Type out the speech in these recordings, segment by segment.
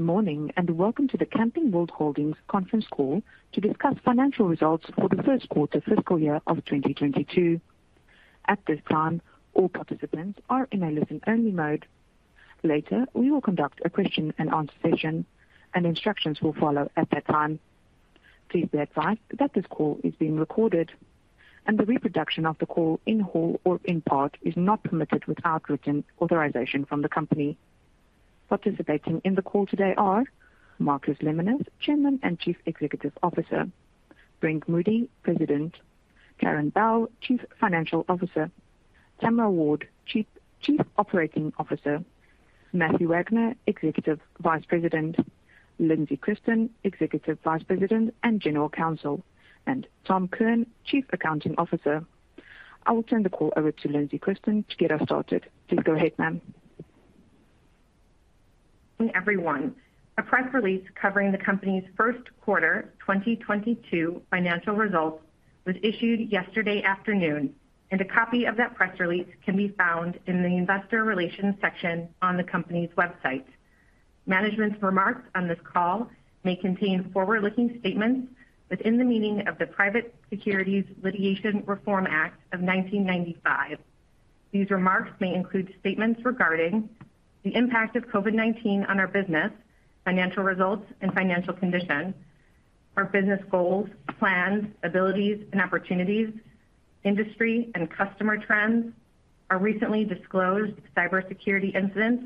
Good morning, and welcome to the Camping World Holdings conference call to discuss financial results for the first quarter fiscal year of 2022. At this time, all participants are in a listen-only mode. Later, we will conduct a question-and-answer session, and instructions will follow at that time. Please be advised that this call is being recorded and the reproduction of the call in whole or in part is not permitted without written authorization from the company. Participating in the call today are Marcus Lemonis, Chairman and Chief Executive Officer, Brent Moody, President, Karin Bell, Chief Financial Officer, Tamara Ward, Chief Operating Officer, Matthew Wagner, Executive Vice President, Lindsey Christen, Executive Vice President and General Counsel, and Tom Curran, Chief Accounting Officer. I will turn the call over to Lindsey Christen to get us started. Please go ahead, ma'am. Good morning, everyone. A press release covering the company's first quarter 2022 financial results was issued yesterday afternoon, and a copy of that press release can be found in the investor relations section on the company's website. Management's remarks on this call may contain forward-looking statements within the meaning of the Private Securities Litigation Reform Act of 1995. These remarks may include statements regarding the impact of COVID-19 on our business, financial results, and financial condition. Our business goals, plans, abilities and opportunities, industry and customer trends, our recently disclosed cybersecurity incidents,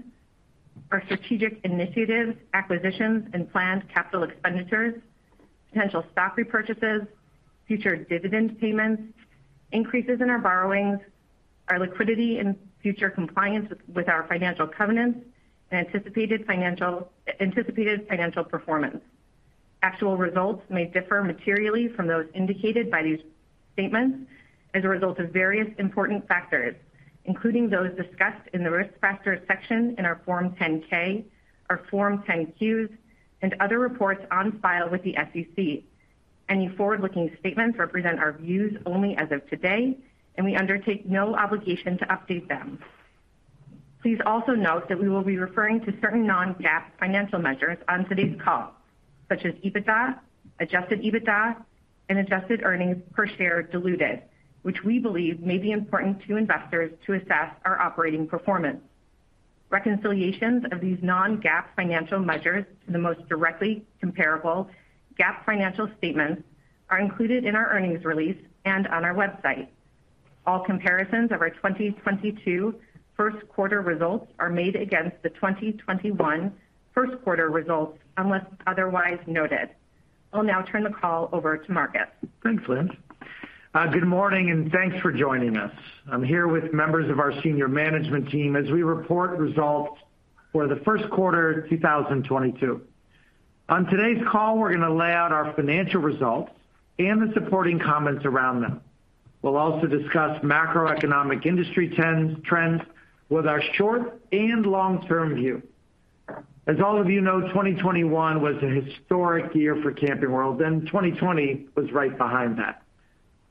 our strategic initiatives, acquisitions and planned capital expenditures, potential stock repurchases, future dividend payments, increases in our borrowings, our liquidity and future compliance with our financial covenants and anticipated financial performance. Actual results may differ materially from those indicated by these statements as a result of various important factors, including those discussed in the Risk Factors section in our Form 10-K, our Form 10-Qs, and other reports on file with the SEC. Any forward-looking statements represent our views only as of today, and we undertake no obligation to update them. Please also note that we will be referring to certain non-GAAP financial measures on today's call, such as EBITDA, adjusted EBITDA, and adjusted earnings per share diluted, which we believe may be important to investors to assess our operating performance. Reconciliations of these non-GAAP financial measures to the most directly comparable GAAP financial statements are included in our earnings release and on our website. All comparisons of our 2022 first quarter results are made against the 2021 first quarter results, unless otherwise noted. I'll now turn the call over to Marcus. Thanks, Lindsay. Good morning and thanks for joining us. I'm here with members of our senior management team as we report results for the first quarter 2022. On today's call, we're gonna lay out our financial results and the supporting comments around them. We'll also discuss macroeconomic industry trends with our short and long-term view. As all of you know, 2021 was a historic year for Camping World, and 2020 was right behind that.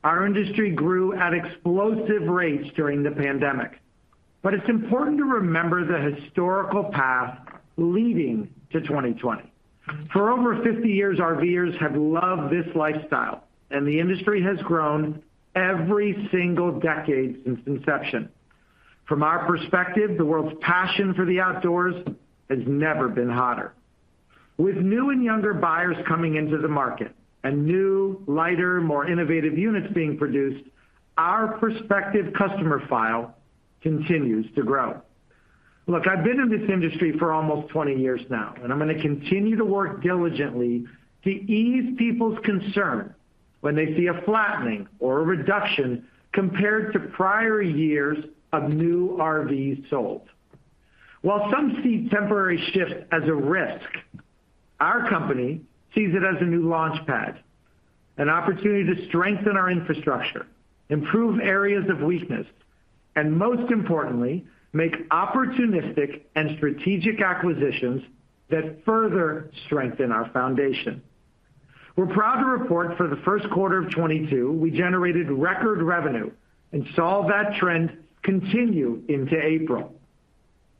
Our industry grew at explosive rates during the pandemic, but it's important to remember the historical path leading to 2020. For over 50 years, RVers have loved this lifestyle, and the industry has grown every single decade since inception. From our perspective, the world's passion for the outdoors has never been hotter. With new and younger buyers coming into the market and new, lighter, more innovative units being produced, our prospective customer file continues to grow. Look, I've been in this industry for almost 20 years now, and I'm gonna continue to work diligently to ease people's concern when they see a flattening or a reduction compared to prior years of new RVs sold. While some see temporary shifts as a risk, our company sees it as a new launch pad, an opportunity to strengthen our infrastructure, improve areas of weakness, and most importantly, make opportunistic and strategic acquisitions that further strengthen our foundation. We're proud to report for the first quarter of 2022, we generated record revenue and saw that trend continue into April.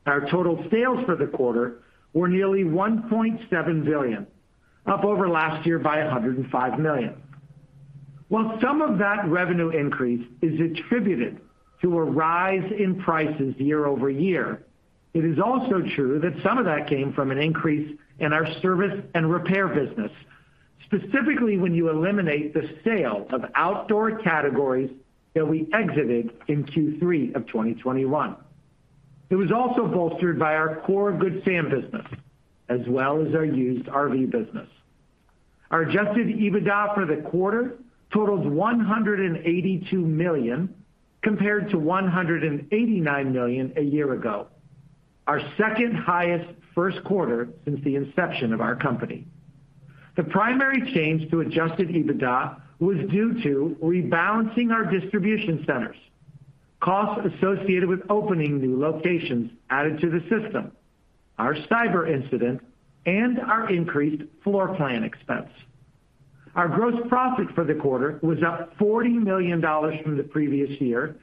Our total sales for the quarter were nearly $1.7 billion, up over last year by $105 million. While some of that revenue increase is attributed to a rise in prices year-over-year, it is also true that some of that came from an increase in our service and repair business, specifically when you eliminate the sale of outdoor categories that we exited in Q3 of 2021. It was also bolstered by our core Good Sam business as well as our used RV business. Our adjusted EBITDA for the quarter totals $182 million, compared to $189 million a year ago. Our second-highest first quarter since the inception of our company. The primary change to adjusted EBITDA was due to rebalancing our distribution centers, costs associated with opening new locations added to the system, our cyber incident, and our increased floor plan expense. Our gross profit for the quarter was up $40 million from the previous year,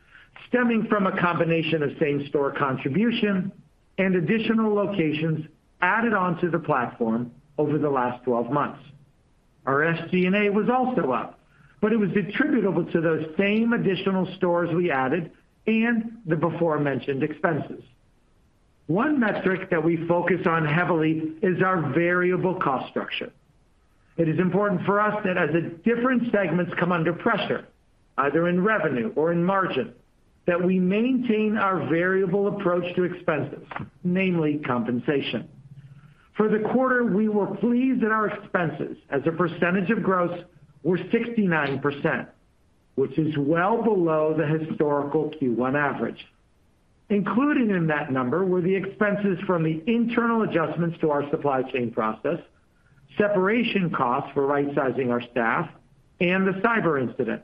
stemming from a combination of same-store contribution and additional locations added on to the platform over the last 12 months. Our SG&A was also up, but it was attributable to those same additional stores we added and the before-mentioned expenses. One metric that we focus on heavily is our variable cost structure. It is important for us that as the different segments come under pressure, either in revenue or in margin, that we maintain our variable approach to expenses, namely compensation. For the quarter, we were pleased that our expenses as a percentage of gross were 69%, which is well below the historical Q1 average. Included in that number were the expenses from the internal adjustments to our supply chain process, separation costs for rightsizing our staff, and the cyber incident.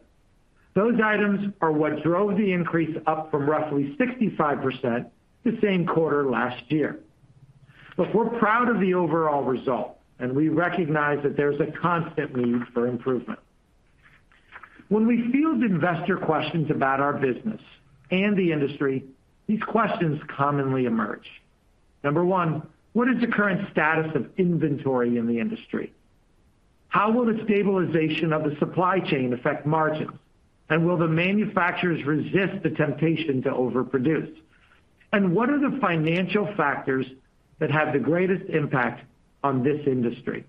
Those items are what drove the increase up from roughly 65% the same quarter last year. We're proud of the overall result, and we recognize that there's a constant need for improvement. When we field investor questions about our business and the industry, these questions commonly emerge. Number one. What is the current status of inventory in the industry? How will the stabilization of the supply chain affect margins? Will the manufacturers resist the temptation to overproduce? What are the financial factors that have the greatest impact on this industry?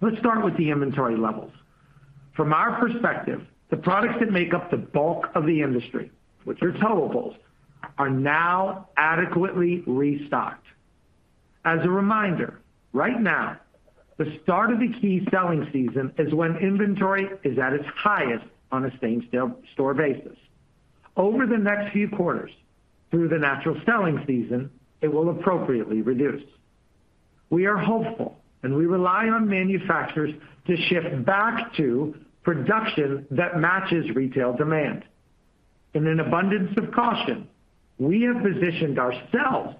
Let's start with the inventory levels. From our perspective, the products that make up the bulk of the industry, which are towables, are now adequately restocked. As a reminder, right now, the start of the key selling season is when inventory is at its highest on a same store basis. Over the next few quarters, through the natural selling season, it will appropriately reduce. We are hopeful, and we rely on manufacturers to shift back to production that matches retail demand. In an abundance of caution, we have positioned ourselves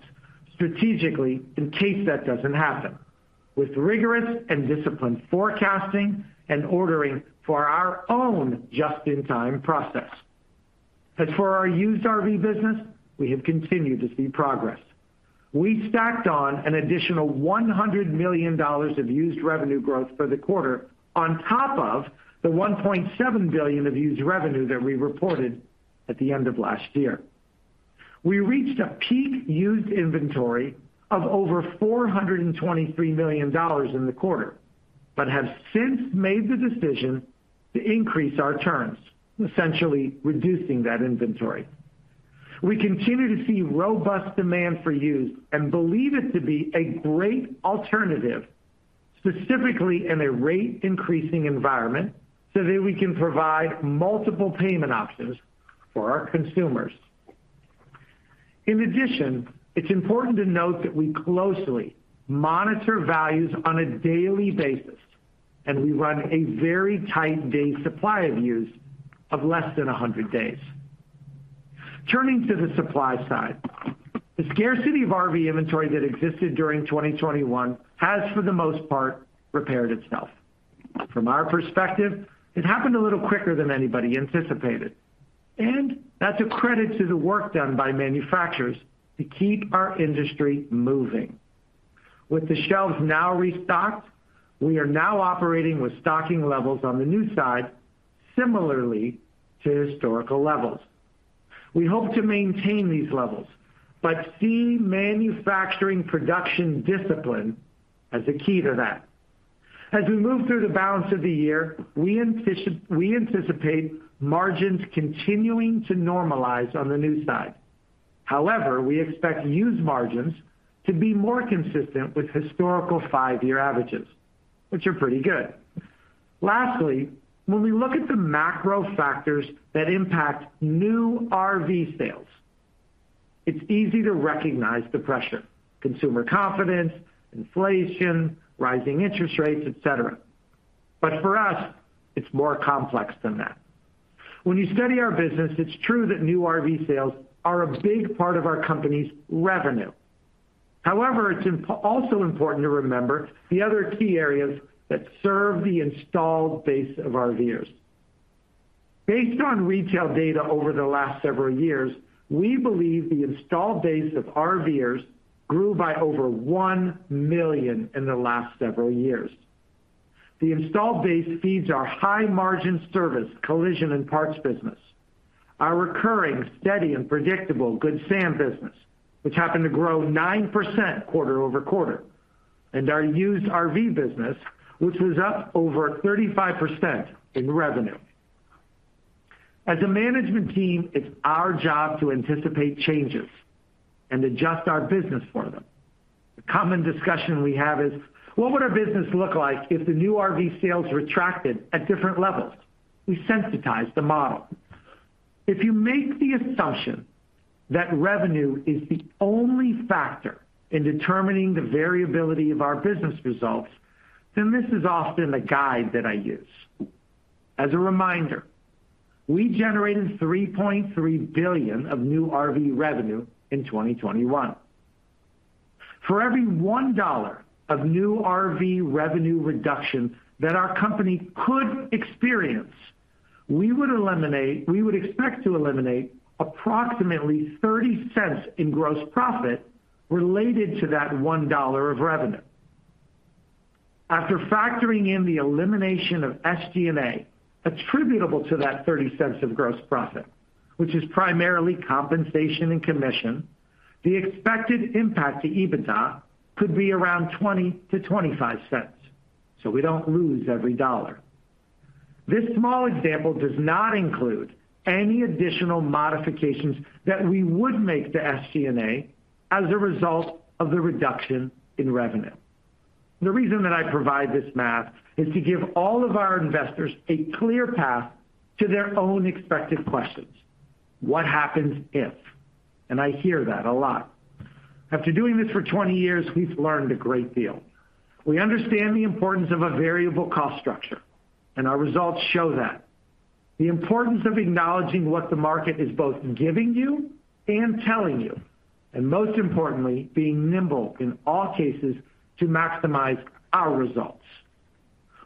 strategically in case that doesn't happen with rigorous and disciplined forecasting and ordering for our own just-in-time process. As for our used RV business, we have continued to see progress. We stacked on an additional $100 million of used revenue growth for the quarter on top of the $1.7 billion of used revenue that we reported at the end of last year. We reached a peak used inventory of over $423 million in the quarter, but have since made the decision to increase our turns, essentially reducing that inventory. We continue to see robust demand for used and believe it to be a great alternative, specifically in a rate-increasing environment, so that we can provide multiple payment options for our consumers. In addition, it's important to note that we closely monitor values on a daily basis, and we run a very tight day supply of used of less than 100 days. Turning to the supply side. The scarcity of RV inventory that existed during 2021 has, for the most part, repaired itself. From our perspective, it happened a little quicker than anybody anticipated, and that's a credit to the work done by manufacturers to keep our industry moving. With the shelves now restocked, we are now operating with stocking levels on the new side similarly to historical levels. We hope to maintain these levels, but see manufacturing production discipline as a key to that. As we move through the balance of the year, we anticipate margins continuing to normalize on the new side. However, we expect used margins to be more consistent with historical five-year averages, which are pretty good. Lastly, when we look at the macro factors that impact new RV sales, it's easy to recognize the pressure, consumer confidence, inflation, rising interest rates, et cetera. For us, it's more complex than that. When you study our business, it's true that new RV sales are a big part of our company's revenue. However, it's also important to remember the other key areas that serve the installed base of RVers. Based on retail data over the last several years, we believe the installed base of RVers grew by over 1 million in the last several years. The installed base feeds our high-margin service, collision and parts business, our recurring, steady and predictable Good Sam business, which happened to grow 9% quarter-over-quarter, and our used RV business, which is up over 35% in revenue. As a management team, it's our job to anticipate changes and adjust our business for them. The common discussion we have is. What would our business look like if the new RV sales retracted at different levels? We sensitize the model. If you make the assumption that revenue is the only factor in determining the variability of our business results, then this is often the guide that I use. As a reminder, we generated $3.3 billion of new RV revenue in 2021. For every $1 of new RV revenue reduction that our company could experience, we would expect to eliminate approximately $0.30 in gross profit related to that $1 of revenue. After factoring in the elimination of SG&A attributable to that $0.30 of gross profit, which is primarily compensation and commission, the expected impact to EBITDA could be around $0.20-$0.25, so we don't lose every dollar. This small example does not include any additional modifications that we would make to SG&A as a result of the reduction in revenue. The reason that I provide this math is to give all of our investors a clear path to their own expected questions. What happens if? I hear that a lot. After doing this for 20 years, we've learned a great deal. We understand the importance of a variable cost structure, and our results show that. The importance of acknowledging what the market is both giving you and telling you, and most importantly, being nimble in all cases to maximize our results.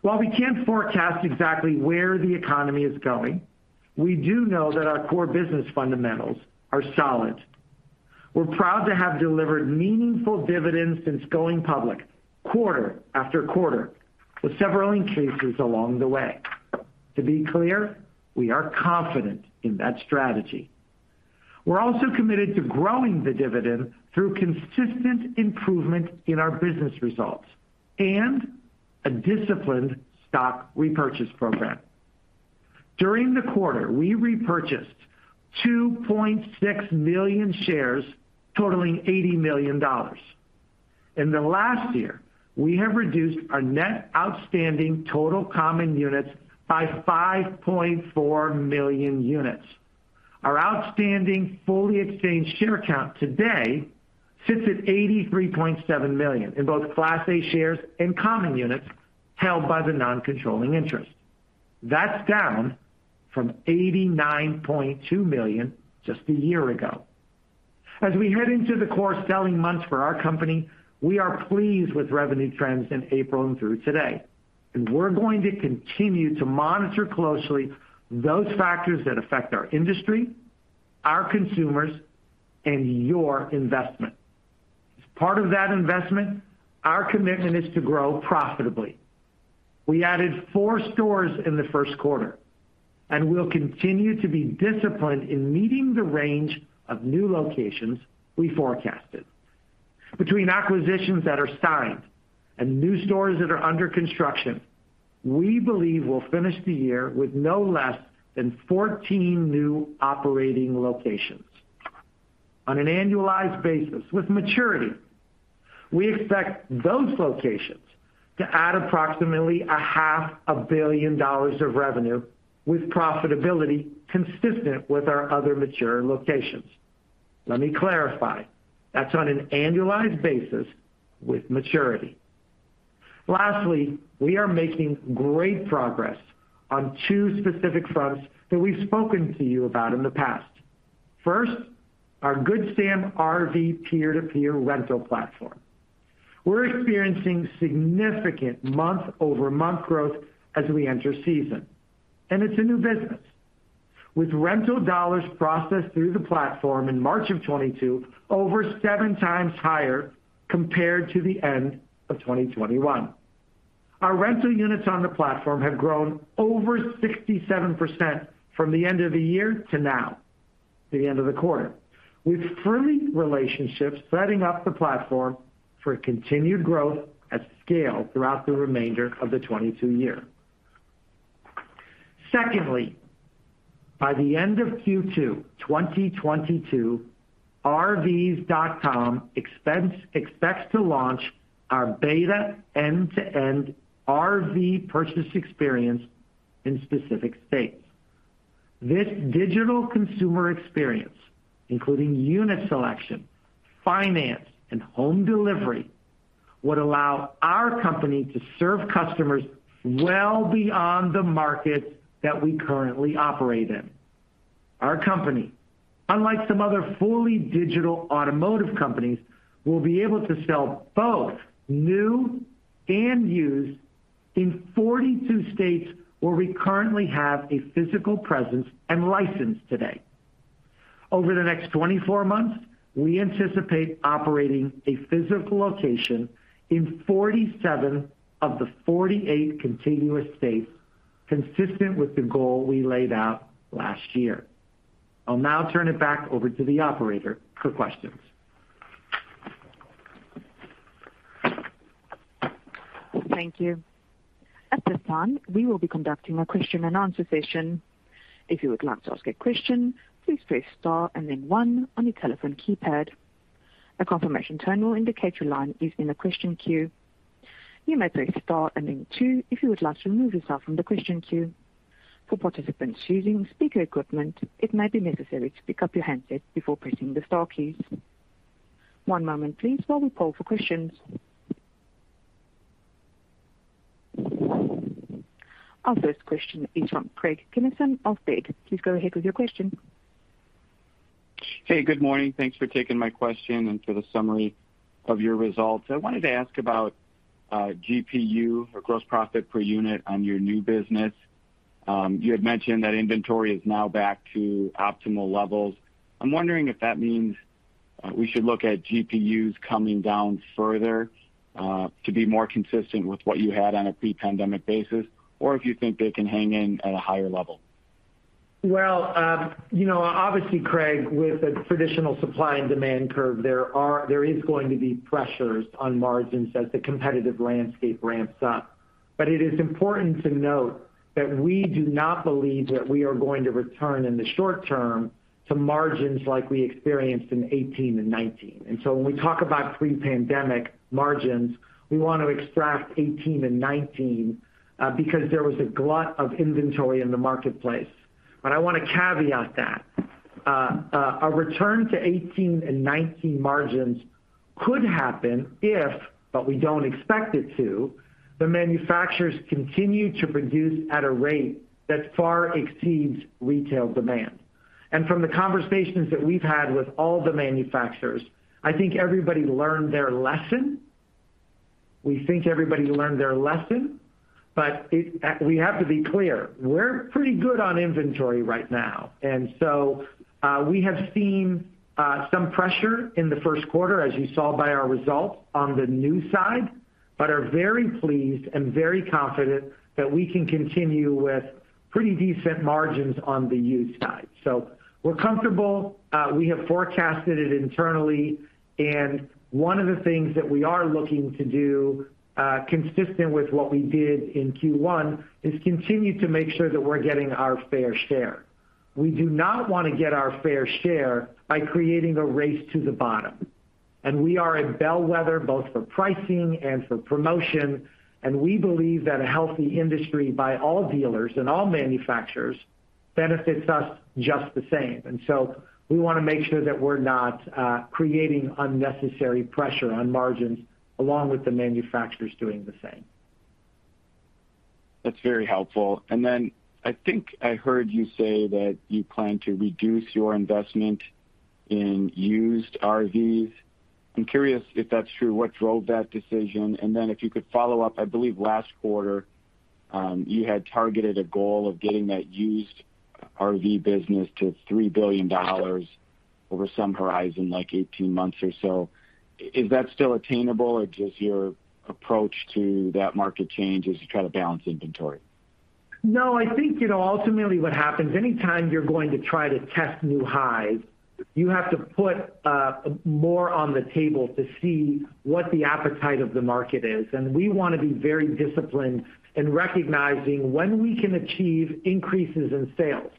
While we can't forecast exactly where the economy is going, we do know that our core business fundamentals are solid. We're proud to have delivered meaningful dividends since going public quarter after quarter, with several increases along the way. To be clear, we are confident in that strategy. We're also committed to growing the dividend through consistent improvement in our business results and a disciplined stock repurchase program. During the quarter, we repurchased 2.6 million shares totaling $80 million. In the last year, we have reduced our net outstanding total common units by 5.4 million units. Our outstanding fully exchanged share count today sits at 83.7 million in both Class A shares and common units held by the non-controlling interest. That's down from 89.2 million just a year ago. As we head into the core selling months for our company, we are pleased with revenue trends in April and through today, and we're going to continue to monitor closely those factors that affect our industry, our consumers, and your investment. As part of that investment, our commitment is to grow profitably. We added 4 stores in the first quarter, and we'll continue to be disciplined in meeting the range of new locations we forecasted. Between acquisitions that are signed and new stores that are under construction, we believe we'll finish the year with no less than 14 new operating locations. On an annualized basis with maturity, we expect those locations to add approximately a half a billion dollars of revenue with profitability consistent with our other mature locations. Let me clarify, that's on an annualized basis with maturity. Lastly, we are making great progress on two specific fronts that we've spoken to you about in the past. First, our Good Sam RV Rentals. We're experiencing significant month-over-month growth as we enter season, and it's a new business. With rental dollars processed through the platform in March 2022 over 7 times higher compared to the end of 2021. Our rental units on the platform have grown over 67% from the end of the year to now, the end of the quarter, with three relationships setting up the platform for continued growth at scale throughout the remainder of the 2022 year. Secondly, by the end of Q2 2022, RVs.com expects to launch our beta end-to-end RV purchase experience in specific states. This digital consumer experience, including unit selection, finance, and home delivery, would allow our company to serve customers well beyond the markets that we currently operate in. Our company, unlike some other fully digital automotive companies, will be able to sell both new and used in 42 states where we currently have a physical presence and license today. Over the next 24 months, we anticipate operating a physical location in 47 of the 48 contiguous states, consistent with the goal we laid out last year. I'll now turn it back over to the operator for questions. Thank you. At this time, we will be conducting a question-and-answer session. If you would like to ask a question, please press star and then one on your telephone keypad. A confirmation tone will indicate your line is in the question queue. You may press star and then two if you would like to remove yourself from the question queue. For participants using speaker equipment, it may be necessary to pick up your handset before pressing the star keys. One moment please while we poll for questions. Our first question is from Craig Kennison of Baird. Please go ahead with your question. Hey, good morning. Thanks for taking my question and for the summary of your results. I wanted to ask about GPU or gross profit per unit on your new business. You had mentioned that inventory is now back to optimal levels. I'm wondering if that means we should look at GPUs coming down further to be more consistent with what you had on a pre-pandemic basis, or if you think they can hang in at a higher level. Well, you know, obviously, Craig, with a traditional supply and demand curve, there is going to be pressures on margins as the competitive landscape ramps up. It is important to note that we do not believe that we are going to return in the short term to margins like we experienced in 2018 and 2019. When we talk about pre-pandemic margins, we want to extract 2018 and 2019, because there was a glut of inventory in the marketplace. I want to caveat that. A return to 2018 and 2019 margins could happen if, but we don't expect it to, the manufacturers continue to produce at a rate that far exceeds retail demand. From the conversations that we've had with all the manufacturers, I think everybody learned their lesson. We think everybody learned their lesson, but we have to be clear, we're pretty good on inventory right now. We have seen some pressure in the first quarter, as you saw by our results on the new side, but are very pleased and very confident that we can continue with pretty decent margins on the used side. We're comfortable. We have forecasted it internally, and one of the things that we are looking to do, consistent with what we did in Q1, is continue to make sure that we're getting our fair share. We do not want to get our fair share by creating a race to the bottom. We are a bellwether both for pricing and for promotion, and we believe that a healthy industry by all dealers and all manufacturers benefits us just the same. We want to make sure that we're not creating unnecessary pressure on margins along with the manufacturers doing the same. That's very helpful. I think I heard you say that you plan to reduce your investment in used RVs. I'm curious if that's true. What drove that decision? If you could follow up. I believe last quarter, you had targeted a goal of getting that used RV business to $3 billion over some horizon, like 18 months or so. Is that still attainable, or does your approach to that market change as you try to balance inventory? No, I think, you know, ultimately what happens, anytime you're going to try to test new highs, you have to put more on the table to see what the appetite of the market is. We want to be very disciplined in recognizing when we can achieve increases in sales,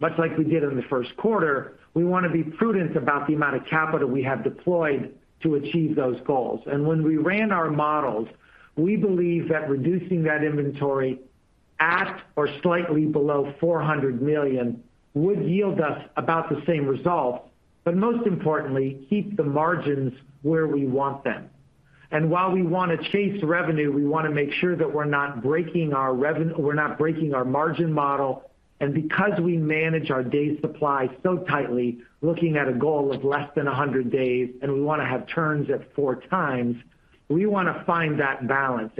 much like we did in the first quarter. We want to be prudent about the amount of capital we have deployed to achieve those goals. When we ran our models, we believe that reducing that inventory at or slightly below $400 million would yield us about the same result, but most importantly, keep the margins where we want them. While we want to chase revenue, we want to make sure that we're not breaking our margin model. Because we manage our day supply so tightly, looking at a goal of less than 100 days, and we want to have turns at 4 times, we want to find that balance.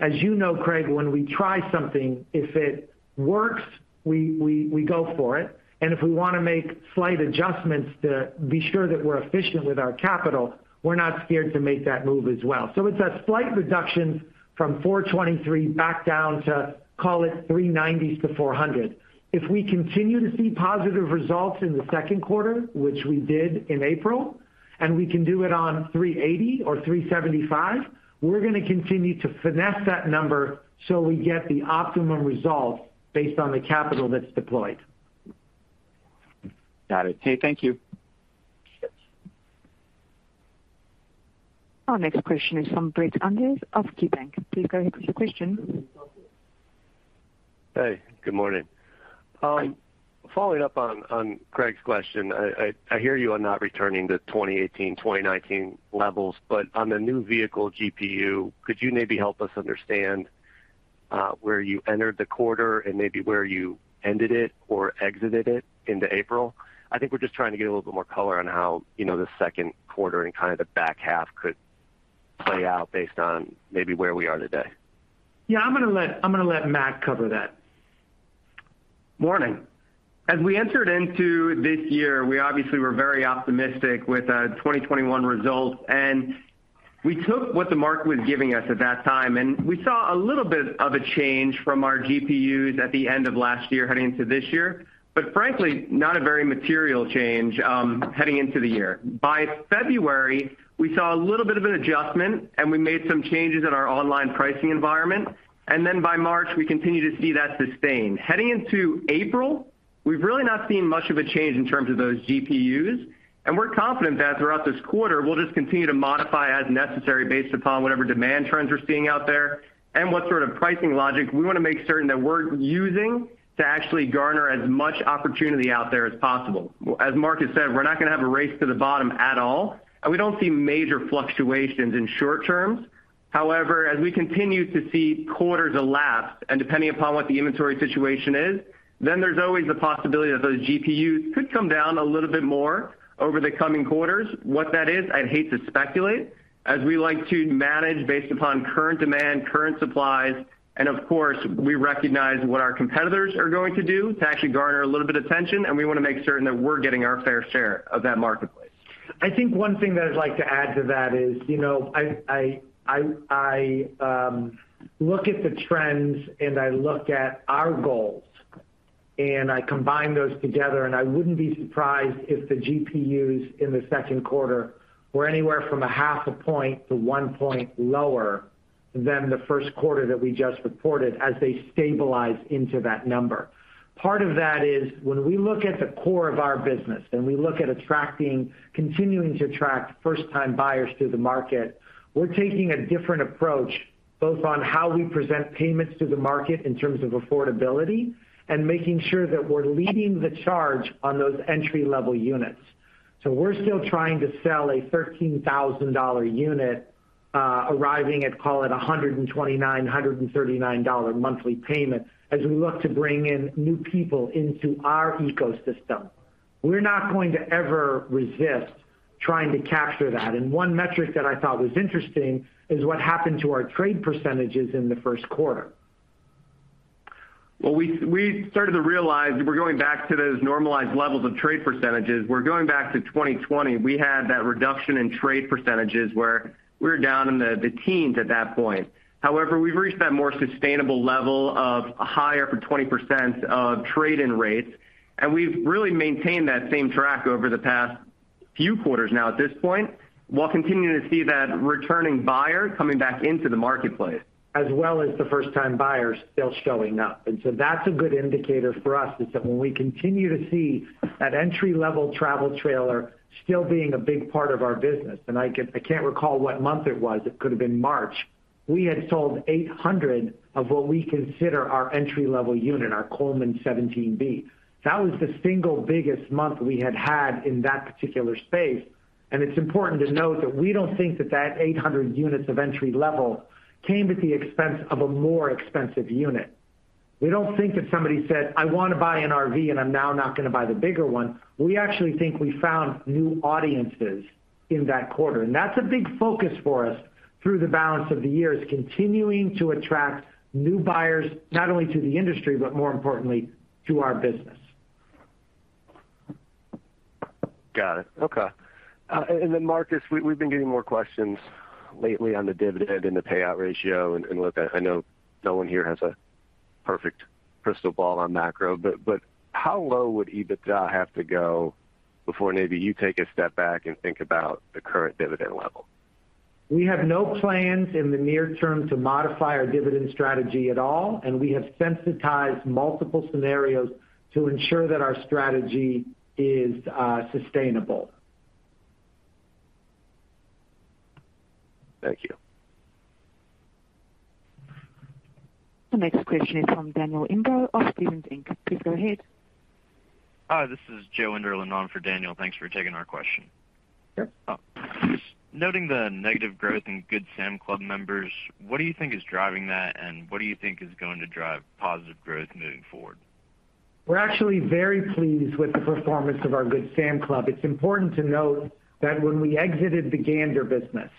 As you know, Craig, when we try something, if it works, we go for it. If we want to make slight adjustments to be sure that we're efficient with our capital, we're not scared to make that move as well. It's a slight reduction from 423 back down to, call it 390-400. If we continue to see positive results in the second quarter, which we did in April, and we can do it on 380 or 375, we're going to continue to finesse that number so we get the optimum result based on the capital that's deployed. Got it. Okay, thank you. Our next question is from Brett Andress of KeyBanc. Please go ahead with your question. Hey, good morning. Following up on Craig's question, I hear you on not returning to 2018, 2019 levels, but on the new vehicle GPU, could you maybe help us understand where you entered the quarter and maybe where you ended it or exited it into April? I think we're just trying to get a little bit more color on how, you know, the second quarter and kind of the back half could play out based on maybe where we are today. Yeah, I'm gonna let Matt cover that. Morning. As we entered into this year, we obviously were very optimistic with 2021 results. We took what the market was giving us at that time, and we saw a little bit of a change from our GPUs at the end of last year heading into this year, but frankly, not a very material change, heading into the year. By February, we saw a little bit of an adjustment, and we made some changes in our online pricing environment. By March, we continued to see that sustain. Heading into April, we've really not seen much of a change in terms of those GPUs. We're confident that throughout this quarter we'll just continue to modify as necessary based upon whatever demand trends we're seeing out there and what sort of pricing logic we want to make certain that we're using to actually garner as much opportunity out there as possible. As Marcus has said, we're not going to have a race to the bottom at all. We don't see major fluctuations in short terms. However, as we continue to see quarters elapse and depending upon what the inventory situation is, then there's always the possibility that those GPUs could come down a little bit more over the coming quarters. What that is, I'd hate to speculate as we like to manage based upon current demand, current supplies, and of course, we recognize what our competitors are going to do to actually garner a little bit of attention, and we want to make certain that we're getting our fair share of that marketplace. I think one thing that I'd like to add to that is, you know, look at the trends and I look at our goals, and I combine those together, and I wouldn't be surprised if the GPUs in the second quarter were anywhere from a half a point to one point lower than the first quarter that we just reported as they stabilize into that number. Part of that is when we look at the core of our business and we look at attracting, continuing to attract first-time buyers to the market, we're taking a different approach, both on how we present payments to the market in terms of affordability and making sure that we're leading the charge on those entry-level units. We're still trying to sell a $13,000 unit, arriving at, call it a $129-$139 monthly payment as we look to bring in new people into our ecosystem. We're not going to ever resist trying to capture that. One metric that I thought was interesting is what happened to our trade percentages in the first quarter. Well, we started to realize we're going back to those normalized levels of trade percentages. We're going back to 2020. We had that reduction in trade percentages where we were down in the teens at that point. However, we've reached that more sustainable level of higher 20% of trade-in rates, and we've really maintained that same track over the past few quarters. Now at this point, we're continuing to see that returning buyer coming back into the marketplace. As well as the first-time buyers still showing up. That's a good indicator for us is that when we continue to see that entry-level travel trailer still being a big part of our business, and I can't recall what month it was, it could have been March. We had sold 800 of what we consider our entry-level unit, our Coleman 17B. That was the single biggest month we had had in that particular space. It's important to note that we don't think that 800 units of entry level came at the expense of a more expensive unit. We don't think that somebody said, "I want to buy an RV and I'm now not going to buy the bigger one." We actually think we found new audiences in that quarter, and that's a big focus for us through the balance of the year, is continuing to attract new buyers, not only to the industry, but more importantly to our business. Got it. Okay. Marcus, we've been getting more questions lately on the dividend and the payout ratio. Look, I know no one here has a perfect crystal ball on macro, but how low would EBITDA have to go before maybe you take a step back and think about the current dividend level? We have no plans in the near term to modify our dividend strategy at all, and we have sensitized multiple scenarios to ensure that our strategy is sustainable. Thank you. The next question is from Daniel Imbro of Stephens Inc. Please go ahead. Hi, this is Joe Enderlin on for Daniel. Thanks for taking our question. Sure. Noting the negative growth in Good Sam Club members, what do you think is driving that, and what do you think is going to drive positive growth moving forward? We're actually very pleased with the performance of our Good Sam Club. It's important to note that when we exited the Gander business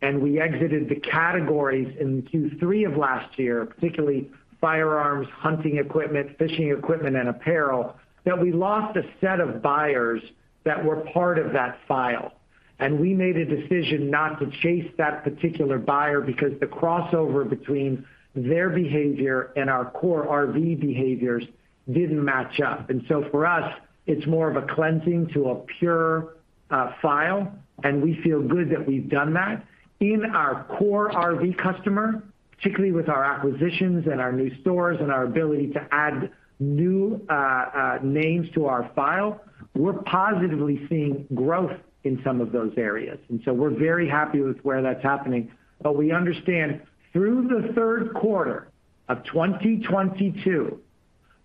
and we exited the categories in Q3 of last year, particularly firearms, hunting equipment, fishing equipment, and apparel, that we lost a set of buyers that were part of that file. We made a decision not to chase that particular buyer because the crossover between their behavior and our core RV behaviors didn't match up. For us, it's more of a cleansing to a pure file, and we feel good that we've done that. In our core RV customer, particularly with our acquisitions and our new stores and our ability to add new names to our file, we're positively seeing growth in some of those areas, and so we're very happy with where that's happening. We understand through the third quarter of 2022,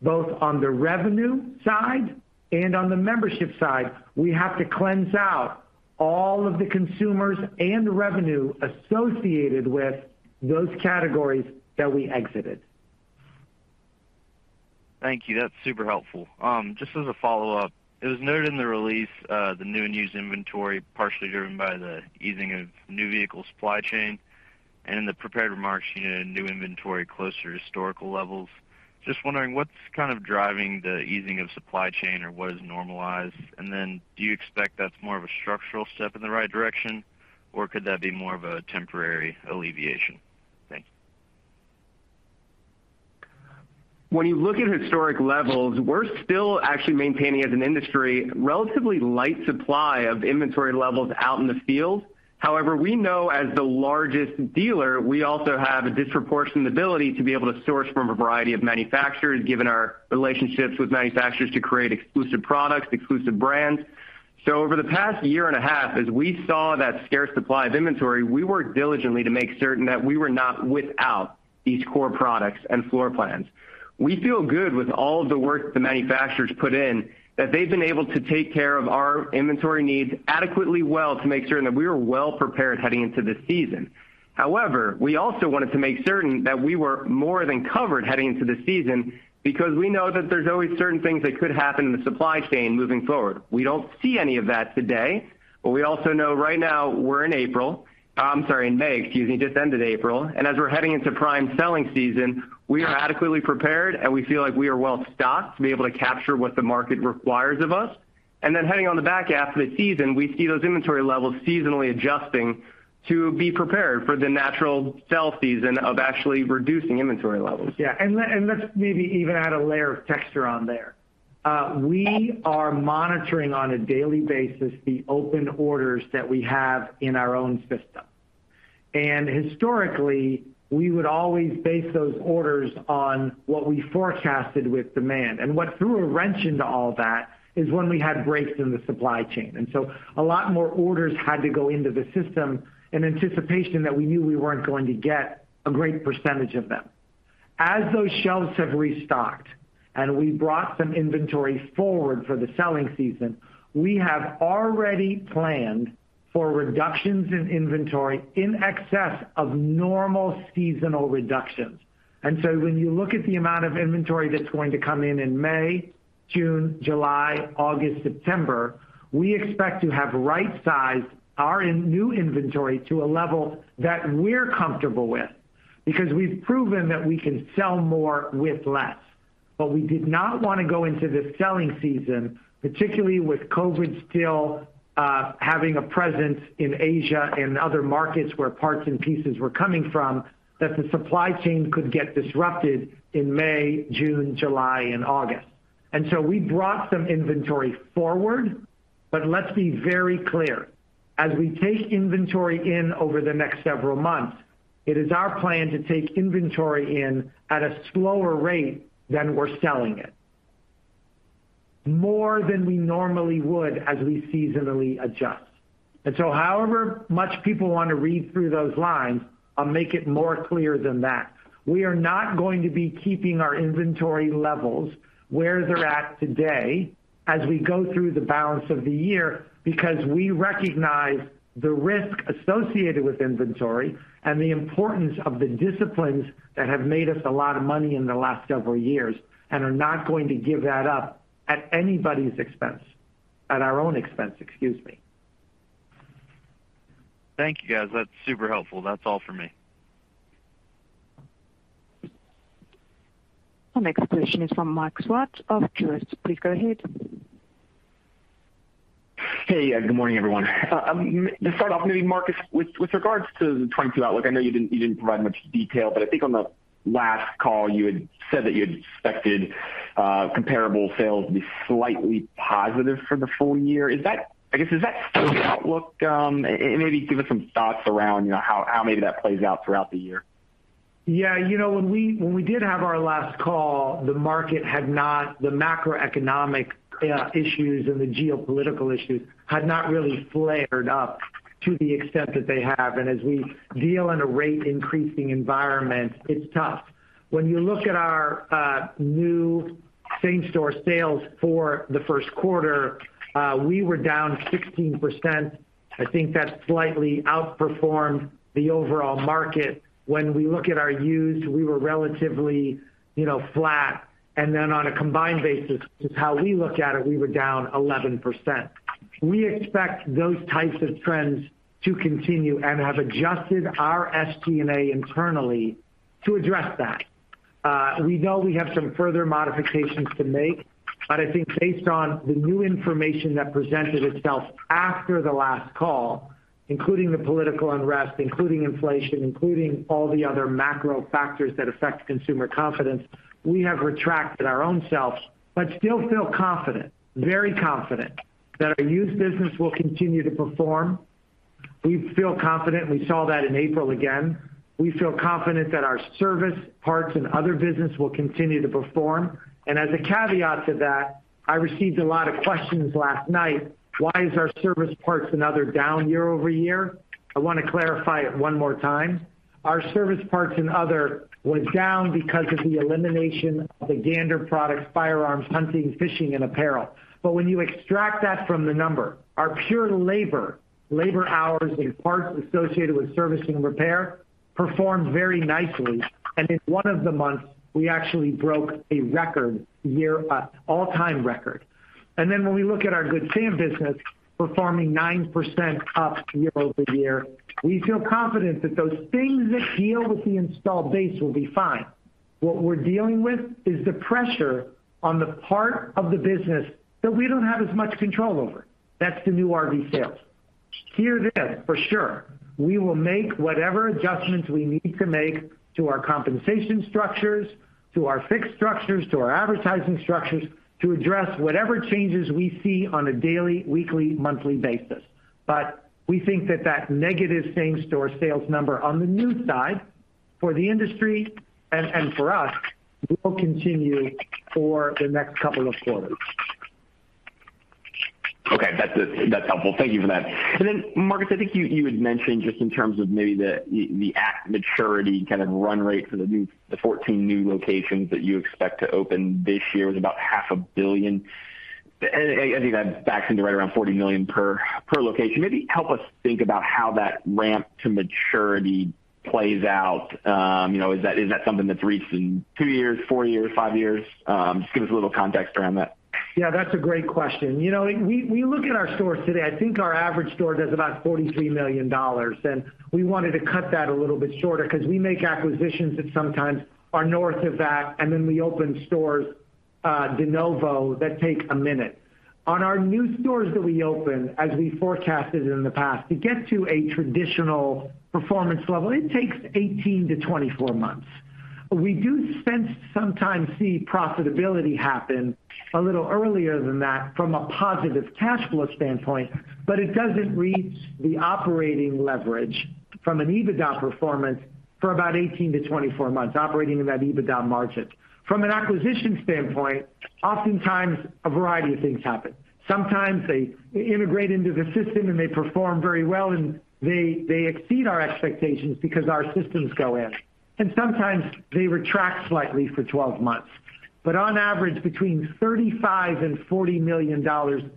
both on the revenue side and on the membership side, we have to cleanse out all of the consumers and the revenue associated with those categories that we exited. Thank you. That's super helpful. Just as a follow-up, it was noted in the release, the new and used inventory, partially driven by the easing of new vehicle supply chain and in the prepared remarks, new inventory, closer to historical levels. Just wondering what's kind of driving the easing of supply chain or what is normalized? And then do you expect that's more of a structural step in the right direction, or could that be more of a temporary alleviation? Thanks. When you look at historic levels, we're still actually maintaining as an industry, relatively light supply of inventory levels out in the field. However, we know as the largest dealer, we also have a disproportionate ability to be able to source from a variety of manufacturers, given our relationships with manufacturers to create exclusive products, exclusive brands. Over the past year and a half, as we saw that scarce supply of inventory, we worked diligently to make certain that we were not without these core products and floor plans. We feel good with all of the work the manufacturers put in, that they've been able to take care of our inventory needs adequately well to make certain that we were well prepared heading into this season. However, we also wanted to make certain that we were more than covered heading into this season because we know that there's always certain things that could happen in the supply chain moving forward. We don't see any of that today, but we also know right now we're in May. Excuse me, April just ended. As we're heading into prime selling season, we are adequately prepared, and we feel like we are well stocked to be able to capture what the market requires of us. Then heading on the back half of the season, we see those inventory levels seasonally adjusting to be prepared for the natural sell season of actually reducing inventory levels. Yeah. Let's maybe even add a layer of texture on there. We are monitoring on a daily basis the open orders that we have in our own system. Historically, we would always base those orders on what we forecasted with demand. What threw a wrench into all that is when we had breaks in the supply chain. A lot more orders had to go into the system in anticipation that we knew we weren't going to get a great percentage of them. As those shelves have restocked, and we brought some inventory forward for the selling season, we have already planned for reductions in inventory in excess of normal seasonal reductions. When you look at the amount of inventory that's going to come in in May, June, July, August, September, we expect to have right-sized our new inventory to a level that we're comfortable with because we've proven that we can sell more with less. We did not want to go into this selling season, particularly with COVID still having a presence in Asia and other markets where parts and pieces were coming from, that the supply chain could get disrupted in May, June, July and August. We brought some inventory forward, but let's be very clear. As we take inventory in over the next several months, it is our plan to take inventory in at a slower rate than we're selling it, more than we normally would as we seasonally adjust. However much people want to read through those lines, I'll make it more clear than that. We are not going to be keeping our inventory levels where they're at today as we go through the balance of the year because we recognize the risk associated with inventory and the importance of the disciplines that have made us a lot of money in the last several years and are not going to give that up at anybody's expense. At our own expense, excuse me. Thank you, guys. That's super helpful. That's all for me. Our next question is from Michael Swartz of Truist. Please go ahead. Hey. Good morning, everyone. To start off, maybe Marcus, with regards to the 2022 outlook, I know you didn't provide much detail, but I think on the last call, you had said that you had expected comparable sales to be slightly positive for the full year. Is that, I guess, still the outlook? And maybe give us some thoughts around, you know, how maybe that plays out throughout the year. Yeah. You know, when we did have our last call, the macroeconomic issues and the geopolitical issues had not really flared up to the extent that they have. As we deal in a rate increasing environment, it's tough. When you look at our new same-store sales for the first quarter, we were down 16%. I think that slightly outperformed the overall market. When we look at our used, we were relatively, you know, flat. And then on a combined basis, which is how we look at it, we were down 11%. We expect those types of trends to continue and have adjusted our SG&A internally to address that. We know we have some further modifications to make, but I think based on the new information that presented itself after the last call, including the political unrest, including inflation, including all the other macro factors that affect consumer confidence, we have retracted our own selves, but still feel confident, very confident that our used business will continue to perform. We feel confident. We saw that in April again. We feel confident that our service parts and other business will continue to perform. As a caveat to that, I received a lot of questions last night, why is our service parts and other down year over year? I want to clarify it one more time. Our service parts and other was down because of the elimination of the Gander products, firearms, hunting, fishing and apparel. When you extract that from the number, our pure labor hours and parts associated with servicing and repair performed very nicely. In one of the months, we actually broke a record year, all-time record. When we look at our Good Sam business performing 9% up year-over-year, we feel confident that those things that deal with the installed base will be fine. What we're dealing with is the pressure on the part of the business that we don't have as much control over. That's the new RV sales. Hear this for sure. We will make whatever adjustments we need to make to our compensation structures, to our fixed structures, to our advertising structures to address whatever changes we see on a daily, weekly, monthly basis. We think that negative same-store sales number on the new side. For the industry and for us, will continue for the next couple of quarters. Okay. That's helpful. Thank you for that. Marcus, I think you had mentioned just in terms of maybe the at maturity kind of run rate for the 14 new locations that you expect to open this year was about $ half a billion. I think that backs into right around $40 million per location. Maybe help us think about how that ramp to maturity plays out. You know, is that something that's reached in two years, four years, five years? Just give us a little context around that. Yeah, that's a great question. You know, we look at our stores today. I think our average store does about $43 million, and we wanted to cut that a little bit shorter because we make acquisitions that sometimes are north of that, and then we open stores de novo that take a minute. On our new stores that we open, as we forecasted in the past, to get to a traditional performance level, it takes 18-24 months. We do sometimes see profitability happen a little earlier than that from a positive cash flow standpoint, but it doesn't reach the operating leverage from an EBITDA performance for about 18-24 months operating in that EBITDA margin. From an acquisition standpoint, oftentimes a variety of things happen. Sometimes they integrate into the system, and they perform very well, and they exceed our expectations because our systems go in. Sometimes they retract slightly for 12 months. On average, between $35-$40 million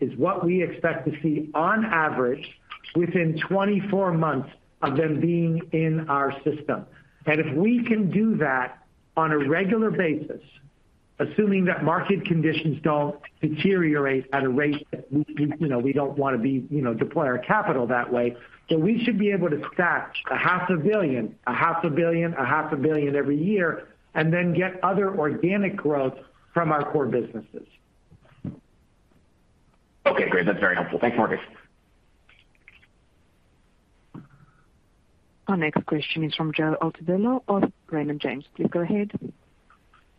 is what we expect to see on average within 24 months of them being in our system. If we can do that on a regular basis, assuming that market conditions don't deteriorate at a rate that we, you know, we don't want to be, you know, deploy our capital that way, then we should be able to stack a half a billion every year and then get other organic growth from our core businesses. Okay, great. That's very helpful. Thanks, Marcus. Our next question is from Joe Altobello of Raymond James. Please go ahead.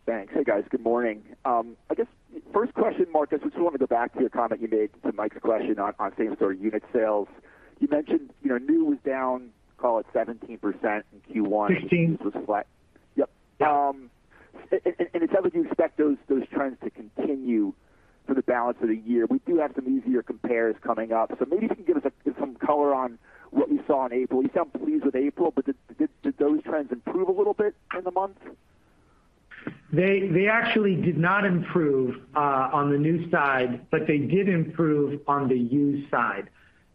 Thanks. Hey, guys. Good morning. I guess first question, Marcus, I just want to go back to your comment you made to Mike's question on same store unit sales. You mentioned, you know, new was down, call it 17% in Q1. 16%. Used was flat. Yep. Would you expect those trends to continue for the balance of the year? We do have some easier compares coming up, so maybe you can give us some color on what you saw in April. You sound pleased with April, but did those trends improve a little bit in the month? They actually did not improve on the new side, but they did improve on the used side.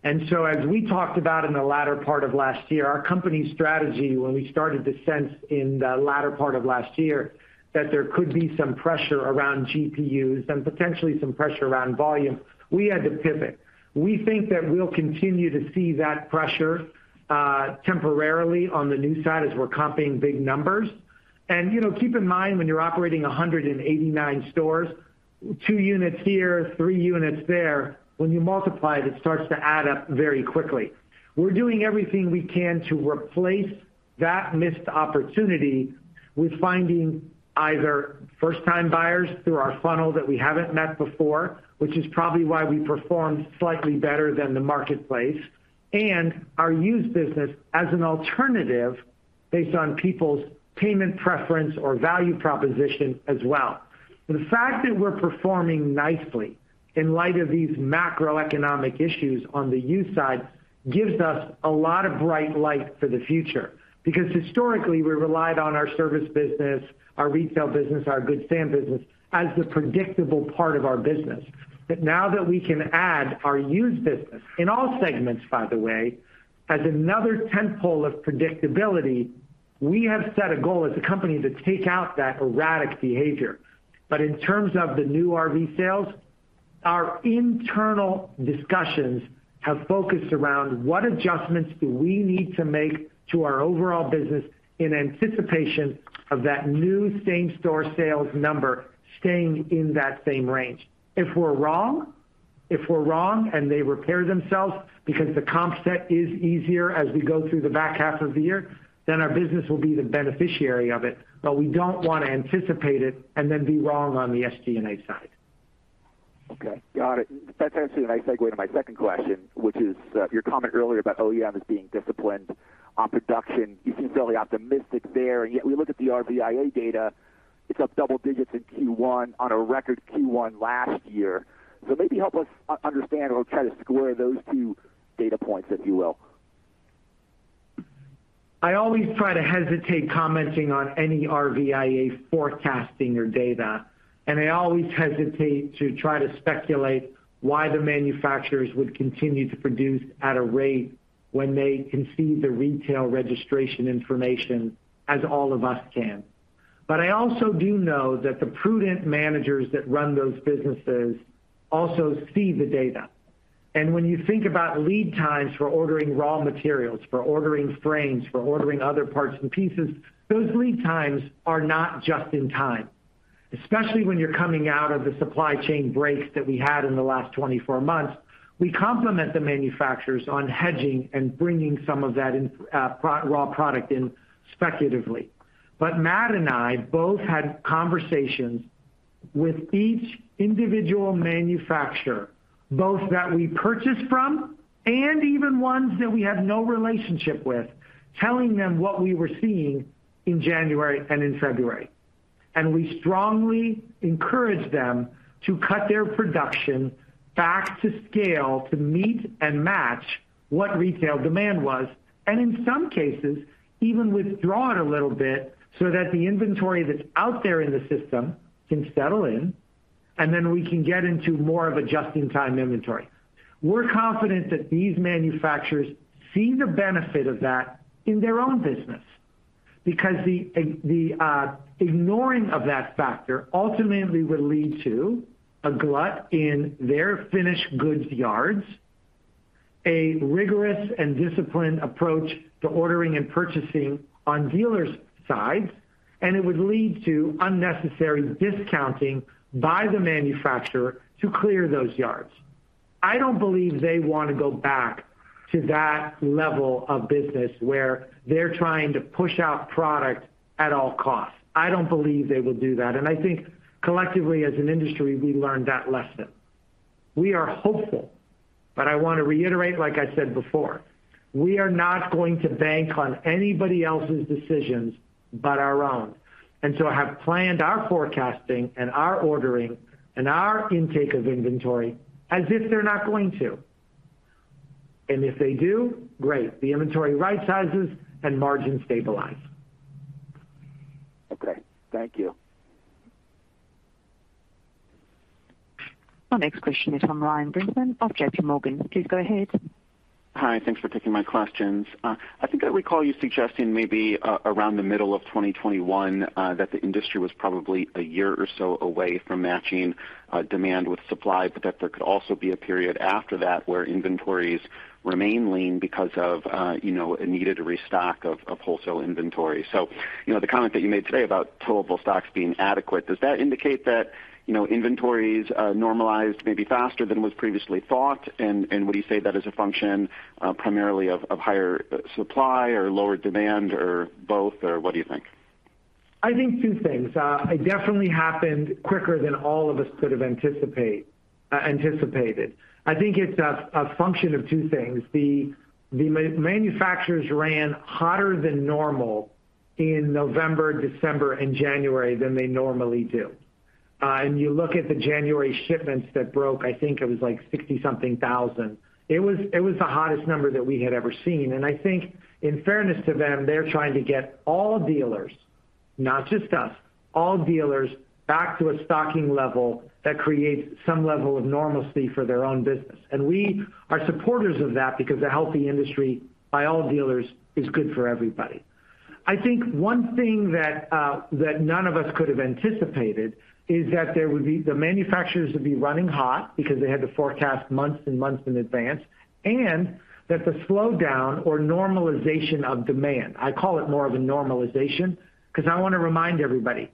As we talked about in the latter part of last year, our company's strategy when we started to sense in the latter part of last year that there could be some pressure around GPUs and potentially some pressure around volume, we had to pivot. We think that we'll continue to see that pressure temporarily on the new side as we're comping big numbers. You know, keep in mind when you're operating 189 stores, two units here, three units there, when you multiply it starts to add up very quickly. We're doing everything we can to replace that missed opportunity with finding either first-time buyers through our funnel that we haven't met before, which is probably why we performed slightly better than the marketplace, and our used business as an alternative based on people's payment preference or value proposition as well. The fact that we're performing nicely in light of these macroeconomic issues on the used side gives us a lot of bright light for the future. Because historically, we relied on our service business, our retail business, our Good Sam business as the predictable part of our business. Now that we can add our used business in all segments, by the way, as another tent pole of predictability, we have set a goal as a company to take out that erratic behavior. In terms of the new RV sales, our internal discussions have focused around what adjustments do we need to make to our overall business in anticipation of that new same-store sales number staying in that same range. If we're wrong, and they repair themselves because the comp set is easier as we go through the back half of the year, then our business will be the beneficiary of it, but we don't want to anticipate it and then be wrong on the SG&A side. Okay. Got it. That's actually a nice segue to my second question, which is your comment earlier about OEMs being disciplined on production. You seem fairly optimistic there, and yet we look at the RVIA data, it's up double digits in Q1 on a record Q1 last year. Maybe help us understand or try to square those two data points, if you will. I always try to hesitate commenting on any RVIA forecasting or data, and I always hesitate to try to speculate why the manufacturers would continue to produce at a rate when they can see the retail registration information as all of us can. I also do know that the prudent managers that run those businesses also see the data. When you think about lead times for ordering raw materials, for ordering frames, for ordering other parts and pieces, those lead times are not just in time, especially when you're coming out of the supply chain breaks that we had in the last 24 months. We complement the manufacturers on hedging and bringing some of that raw product in speculatively. Matt and I both had conversations with each individual manufacturer, both that we purchase from and even ones that we have no relationship with, telling them what we were seeing in January and in February. We strongly encourage them to cut their production back to scale to meet and match what retail demand was, and in some cases even withdraw it a little bit so that the inventory that's out there in the system can settle in, and then we can get into more of a just-in-time inventory. We're confident that these manufacturers see the benefit of that in their own business because ignoring of that factor ultimately would lead to a glut in their finished goods yards, a rigorous and disciplined approach to ordering and purchasing on dealers' sides, and it would lead to unnecessary discounting by the manufacturer to clear those yards. I don't believe they want to go back to that level of business where they're trying to push out product at all costs. I don't believe they will do that, and I think collectively as an industry, we learned that lesson. We are hopeful, but I want to reiterate, like I said before, we are not going to bank on anybody else's decisions but our own. We have planned our forecasting and our ordering and our intake of inventory as if they're not going to. If they do, great, the inventory right sizes and margins stabilize. Okay. Thank you. Our next question is from Ryan Brinkman of J.P. Morgan. Please go ahead. Hi. Thanks for taking my questions. I think I recall you suggesting maybe around the middle of 2021, that the industry was probably a year or so away from matching demand with supply, but that there could also be a period after that where inventories remain lean because of, you know, a needed restock of wholesale inventory. You know, the comment that you made today about towable stocks being adequate, does that indicate that, you know, inventories normalized maybe faster than was previously thought? And would you say that is a function primarily of higher supply or lower demand or both, or what do you think? I think two things. It definitely happened quicker than all of us could have anticipated. I think it's a function of two things. The manufacturers ran hotter than normal in November, December and January than they normally do. You look at the January shipments that broke, I think it was like 60-something thousand. It was the hottest number that we had ever seen. I think in fairness to them, they're trying to get all dealers, not just us, all dealers back to a stocking level that creates some level of normalcy for their own business. We are supporters of that because a healthy industry by all dealers is good for everybody. I think one thing that none of us could have anticipated is that there would be. The manufacturers would be running hot because they had to forecast months and months in advance, and that the slowdown or normalization of demand, I call it more of a normalization because I want to remind everybody,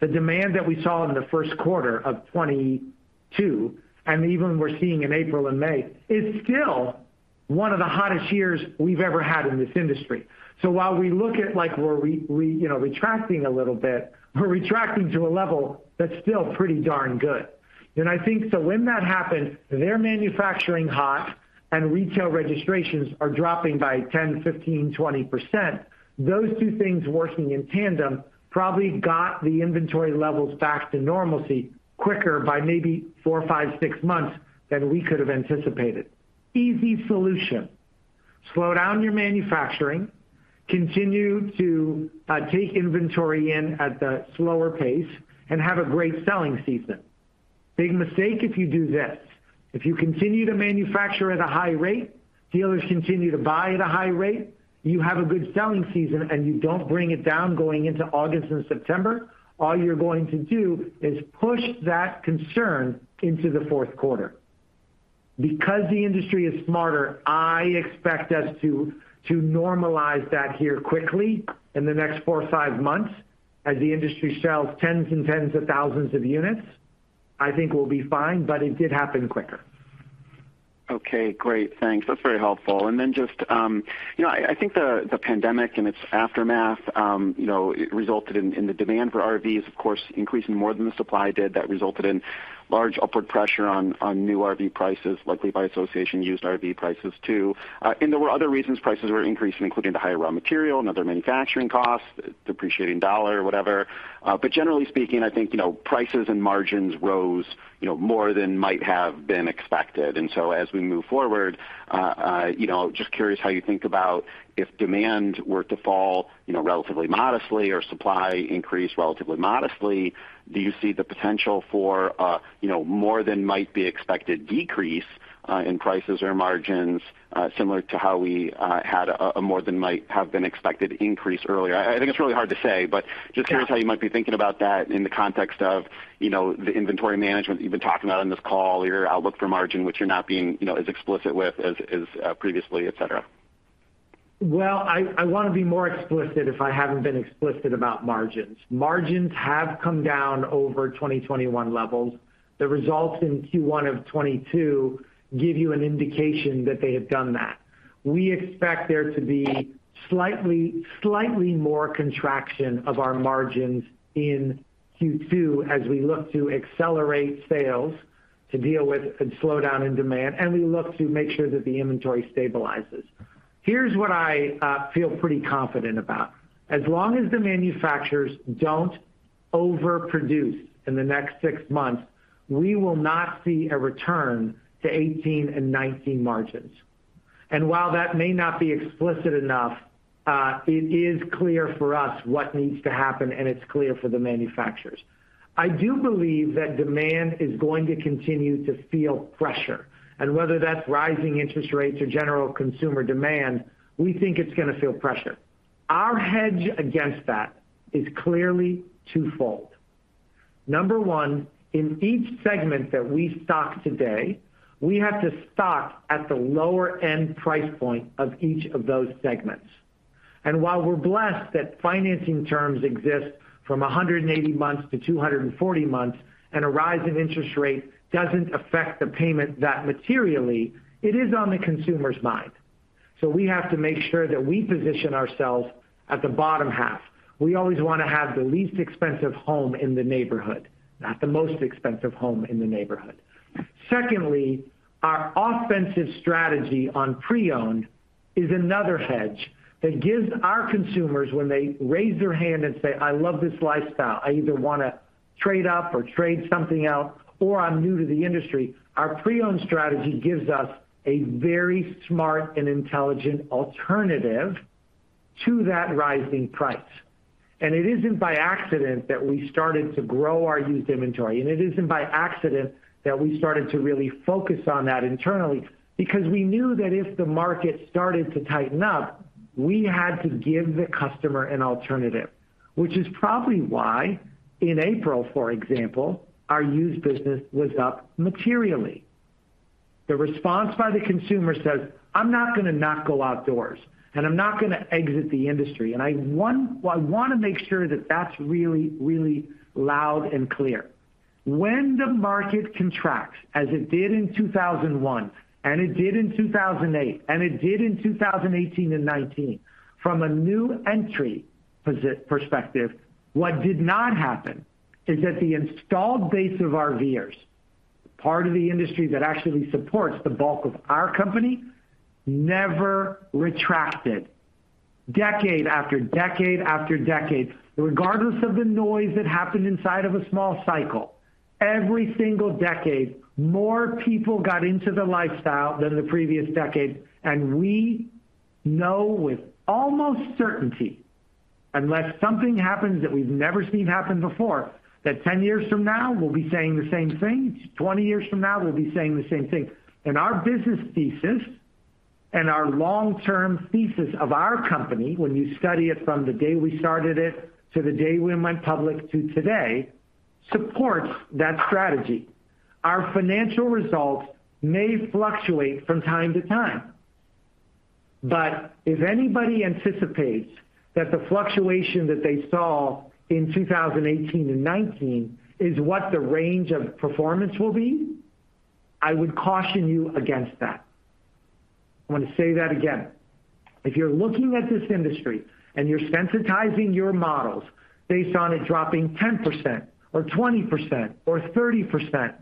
the demand that we saw in the first quarter of 2022, and even we're seeing in April and May, is still one of the hottest years we've ever had in this industry. While we look at like, we're retracting a little bit, you know, we're retracting to a level that's still pretty darn good. I think when that happens, they're manufacturing hot and retail registrations are dropping by 10%, 15%, 20%. Those two things working in tandem probably got the inventory levels back to normalcy quicker by maybe 4, 5, 6 months than we could have anticipated. Easy solution: slow down your manufacturing, continue to take inventory in at the slower pace, and have a great selling season. Big mistake if you do this. If you continue to manufacture at a high rate, dealers continue to buy at a high rate, you have a good selling season, and you don't bring it down going into August and September, all you're going to do is push that concern into the fourth quarter. Because the industry is smarter, I expect us to normalize that here quickly in the next four or five months as the industry sells tens and tens of thousands of units. I think we'll be fine, but it did happen quicker. Okay, great. Thanks. That's very helpful. Just, you know, I think the pandemic and its aftermath, you know, resulted in the demand for RVs, of course, increasing more than the supply did. That resulted in large upward pressure on new RV prices, likely by association, used RV prices too. There were other reasons prices were increasing, including the higher raw material, another manufacturing cost, depreciating dollar or whatever. Generally speaking, I think, you know, prices and margins rose, you know, more than might have been expected. As we move forward, you know, just curious how you think about if demand were to fall, you know, relatively modestly or supply increased relatively modestly, do you see the potential for, you know, more than might be expected decrease in prices or margins, similar to how we had a more than might have been expected increase earlier? I think it's really hard to say, but just curious how you might be thinking about that in the context of, you know, the inventory management you've been talking about on this call, your outlook for margin, which you're not being, you know, as explicit with as previously, et cetera. Well, I wanna be more explicit if I haven't been explicit about margins. Margins have come down over 2021 levels. The results in Q1 of 2022 give you an indication that they have done that. We expect there to be slightly more contraction of our margins in Q2 as we look to accelerate sales to deal with a slowdown in demand, and we look to make sure that the inventory stabilizes. Here's what I feel pretty confident about. As long as the manufacturers don't overproduce in the next six months, we will not see a return to 2018 and 2019 margins. While that may not be explicit enough, it is clear for us what needs to happen, and it's clear for the manufacturers. I do believe that demand is going to continue to feel pressure, and whether that's rising interest rates or general consumer demand, we think it's gonna feel pressure. Our hedge against that is clearly twofold. Number one, in each segment that we stock today, we have to stock at the lower end price point of each of those segments. While we're blessed that financing terms exist from 180 months to 240 months, and a rise in interest rate doesn't affect the payment that materially, it is on the consumer's mind. We have to make sure that we position ourselves at the bottom half. We always wanna have the least expensive home in the neighborhood, not the most expensive home in the neighborhood. Secondly, our offensive strategy on pre-owned is another hedge that gives our consumers when they raise their hand and say, "I love this lifestyle. I either wanna trade up or trade something out, or I'm new to the industry." Our pre-owned strategy gives us a very smart and intelligent alternative to that rising price. It isn't by accident that we started to grow our used inventory, and it isn't by accident that we started to really focus on that internally, because we knew that if the market started to tighten up, we had to give the customer an alternative. Which is probably why in April, for example, our used business was up materially. The response by the consumer says, "I'm not gonna not go outdoors, and I'm not gonna exit the industry." I wanna make sure that that's really, really loud and clear. When the market contracts, as it did in 2001, and it did in 2008, and it did in 2018 and 2019, from a new entry perspective, what did not happen is that the installed base of RVers, part of the industry that actually supports the bulk of our company, never retracted. Decade after decade after decade, regardless of the noise that happened inside of a small cycle, every single decade, more people got into the lifestyle than the previous decade. We know with almost certainty, unless something happens that we've never seen happen before, that 10 years from now we'll be saying the same thing. 20 years from now we'll be saying the same thing. Our business thesis and our long-term thesis of our company, when you study it from the day we started it to the day we went public to today, supports that strategy. Our financial results may fluctuate from time to time, but if anybody anticipates that the fluctuation that they saw in 2018 and 2019 is what the range of performance will be, I would caution you against that. I want to say that again. If you're looking at this industry and you're sensitizing your models based on it dropping 10% or 20% or 30%,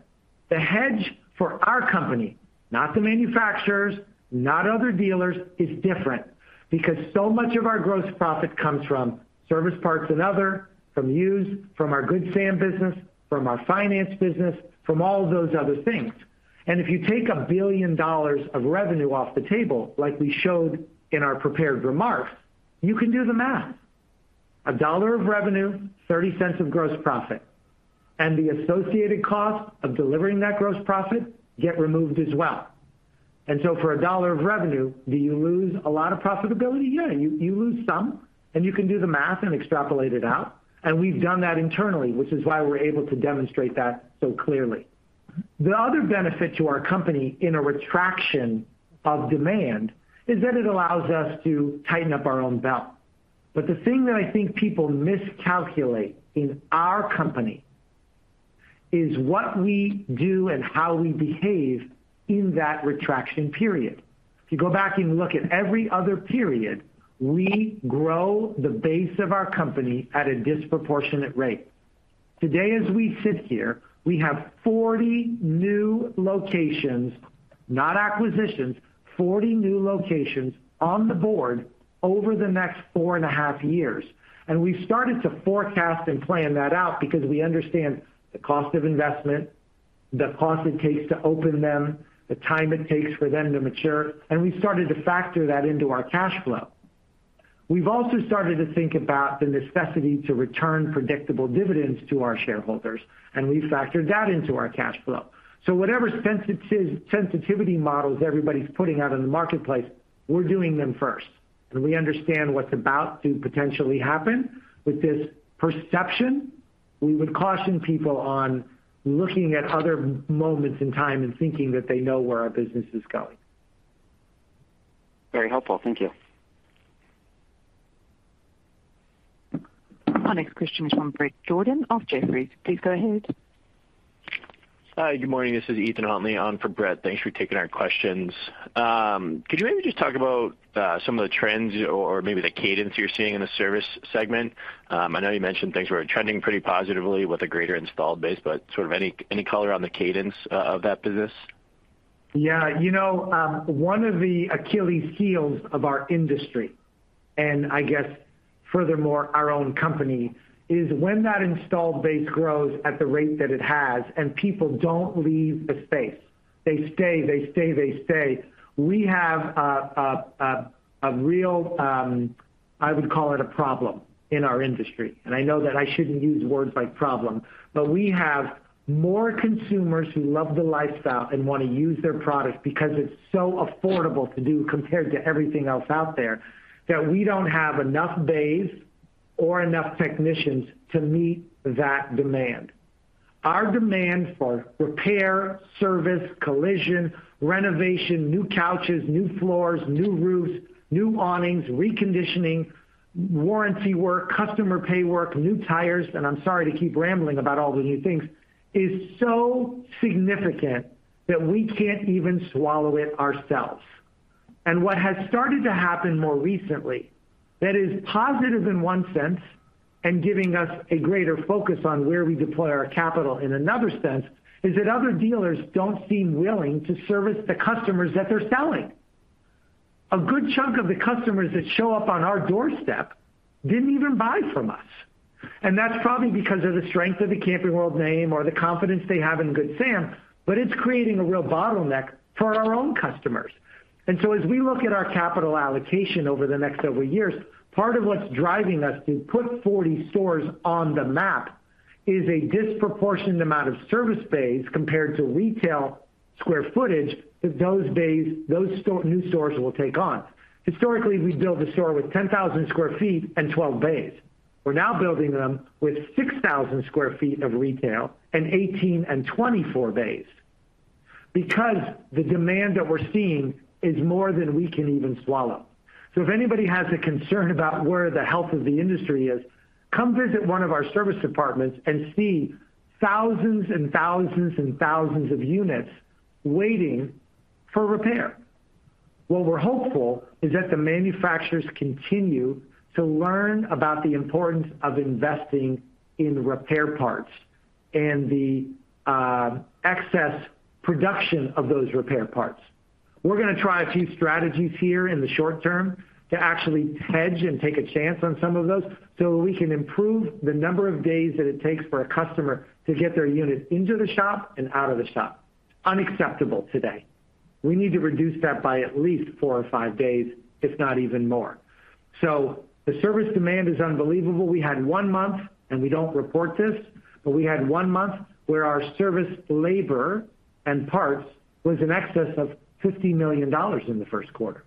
the hedge for our company, not the manufacturers, not other dealers, is different. Because so much of our gross profit comes from service parts and other, from used, from our Good Sam business, from our finance business, from all those other things. If you take $1 billion of revenue off the table, like we showed in our prepared remarks, you can do the math. A $1 of revenue, 30 cents of gross profit, and the associated cost of delivering that gross profit get removed as well. For a $1 of revenue, do you lose a lot of profitability? Yeah, you lose some, and you can do the math and extrapolate it out. We've done that internally, which is why we're able to demonstrate that so clearly. The other benefit to our company in a retraction of demand is that it allows us to tighten up our own belt. The thing that I think people miscalculate in our company is what we do and how we behave in that retraction period. If you go back and look at every other period, we grow the base of our company at a disproportionate rate. Today, as we sit here, we have 40 new locations, not acquisitions, 40 new locations on the board over the next 4.5 years. We've started to forecast and plan that out because we understand the cost of investment, the cost it takes to open them, the time it takes for them to mature, and we started to factor that into our cash flow. We've also started to think about the necessity to return predictable dividends to our shareholders, and we've factored that into our cash flow. Whatever sensitivity models everybody's putting out in the marketplace, we're doing them first. We understand what's about to potentially happen with this perception. We would caution people on looking at other moments in time and thinking that they know where our business is going. Very helpful. Thank you. Our next question is from Bret Jordan of Jefferies. Please go ahead. Hi, good morning. This is Ethan Huntley on for Brett. Thanks for taking our questions. Could you maybe just talk about some of the trends or maybe the cadence you're seeing in the service segment? I know you mentioned things were trending pretty positively with a greater installed base, but sort of any color on the cadence of that business? Yeah. You know, one of the Achilles heels of our industry, and I guess furthermore our own company, is when that installed base grows at the rate that it has and people don't leave the space, they stay. We have a real, I would call it a problem in our industry, and I know that I shouldn't use words like problem. We have more consumers who love the lifestyle and wanna use their product because it's so affordable to do compared to everything else out there, that we don't have enough bays or enough technicians to meet that demand. Our demand for repair, service, collision, renovation, new couches, new floors, new roofs, new awnings, reconditioning, warranty work, customer pay work, new tires, and I'm sorry to keep rambling about all the new things, is so significant that we can't even swallow it ourselves. What has started to happen more recently that is positive in one sense, and giving us a greater focus on where we deploy our capital in another sense, is that other dealers don't seem willing to service the customers that they're selling. A good chunk of the customers that show up on our doorstep didn't even buy from us, and that's probably because of the strength of the Camping World name or the confidence they have in Good Sam, but it's creating a real bottleneck for our own customers. As we look at our capital allocation over the next several years, part of what's driving us to put 40 stores on the map is a disproportionate amount of service bays compared to retail square footage that those bays, those new stores will take on. Historically, we build a store with 10,000 sq ft and 12 bays. We're now building them with 6,000 sq ft of retail and 18 and 24 bays because the demand that we're seeing is more than we can even swallow. If anybody has a concern about where the health of the industry is, come visit one of our service departments and see thousands and thousands and thousands of units waiting for repair. What we're hopeful is that the manufacturers continue to learn about the importance of investing in repair parts and the excess production of those repair parts. We're gonna try a few strategies here in the short term to actually hedge and take a chance on some of those, so we can improve the number of days that it takes for a customer to get their unit into the shop and out of the shop. It's unacceptable today. We need to reduce that by at least 4 or 5 days, if not even more. The service demand is unbelievable. We had one month, and we don't report this, but we had one month where our service labor and parts was in excess of $50 million in the first quarter.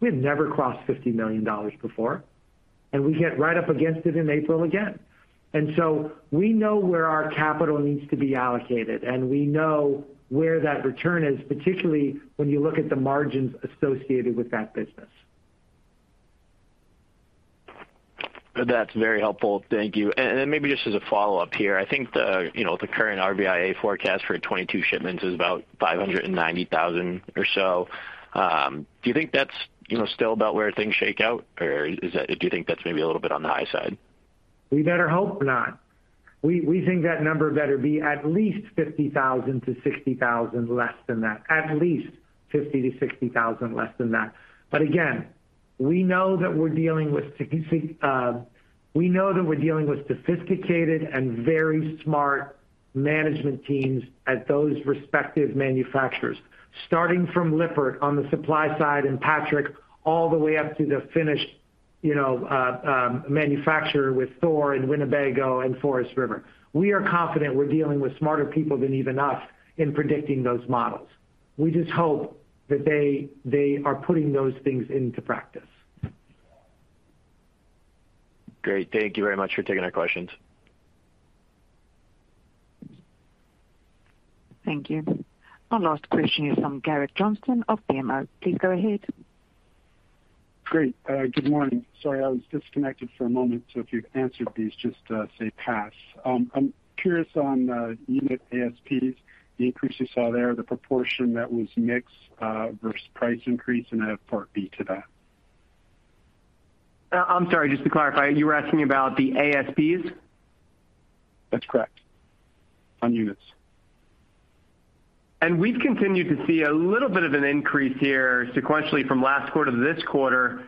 We had never crossed $50 million before, and we hit right up against it in April again. We know where our capital needs to be allocated, and we know where that return is, particularly when you look at the margins associated with that business. That's very helpful. Thank you. Then maybe just as a follow-up here, I think the, you know, the current RVIA forecast for 2022 shipments is about 590,000 or so. Do you think that's, you know, still about where things shake out? Or is that? Do you think that's maybe a little bit on the high side? We better hope not. We think that number better be at least 50,000-60,000 less than that. At least 50,000-60,000 less than that. Again, we know that we're dealing with sophisticated and very smart management teams at those respective manufacturers. Starting from Lippert on the supply side, and Patrick Industries, all the way up to the finished, you know, manufacturer with Thor and Winnebago and Forest River. We are confident we're dealing with smarter people than even us in predicting those models. We just hope that they are putting those things into practice. Great. Thank you very much for taking our questions. Thank you. Our last question is from Garrett Johnson of BMO. Please go ahead. Great. Good morning. Sorry, I was disconnected for a moment, so if you've answered these, just say pass. I'm curious on unit ASPs, the increase you saw there, the proportion that was mix versus price increase, and I have part B to that. I'm sorry, just to clarify, you were asking about the ASPs? That's correct. On units. We've continued to see a little bit of an increase here sequentially from last quarter to this quarter.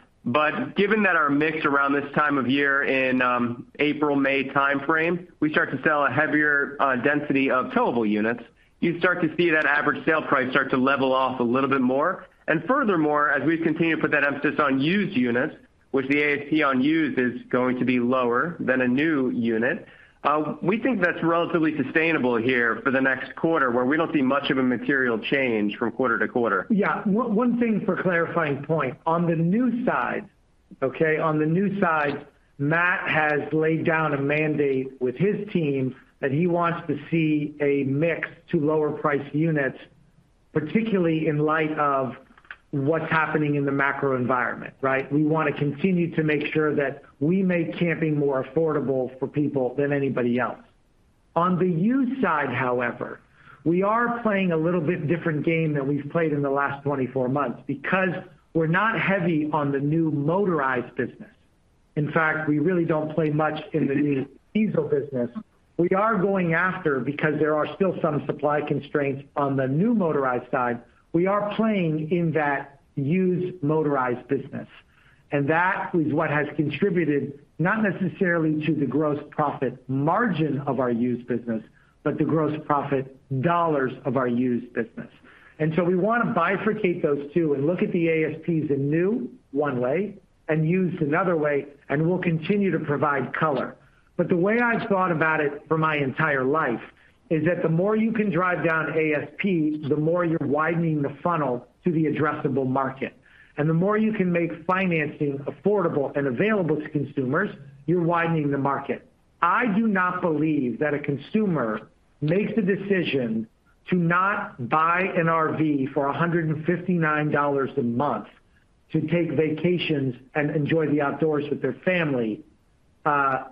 Given that our mix around this time of year in April-May timeframe, we start to sell a heavier density of towable units. You start to see that average sale price start to level off a little bit more. Furthermore, as we've continued to put that emphasis on used units, which the ASP on used is going to be lower than a new unit, we think that's relatively sustainable here for the next quarter, where we don't see much of a material change from quarter to quarter. Yeah. One thing for clarifying point. On the new side, Matt has laid down a mandate with his team that he wants to see a mix to lower price units, particularly in light of what's happening in the macro environment, right? We wanna continue to make sure that we make camping more affordable for people than anybody else. On the used side, however, we are playing a little bit different game than we've played in the last 24 months because we're not heavy on the new motorized business. In fact, we really don't play much in the new diesel business. We are going after because there are still some supply constraints on the new motorized side. We are playing in that used motorized business, and that is what has contributed, not necessarily to the gross profit margin of our used business, but the gross profit dollars of our used business. We wanna bifurcate those two and look at the ASPs in new one way and used another way, and we'll continue to provide color. The way I've thought about it for my entire life is that the more you can drive down ASP, the more you're widening the funnel to the addressable market. The more you can make financing affordable and available to consumers, you're widening the market. I do not believe that a consumer makes the decision to not buy an RV for $159 a month to take vacations and enjoy the outdoors with their family,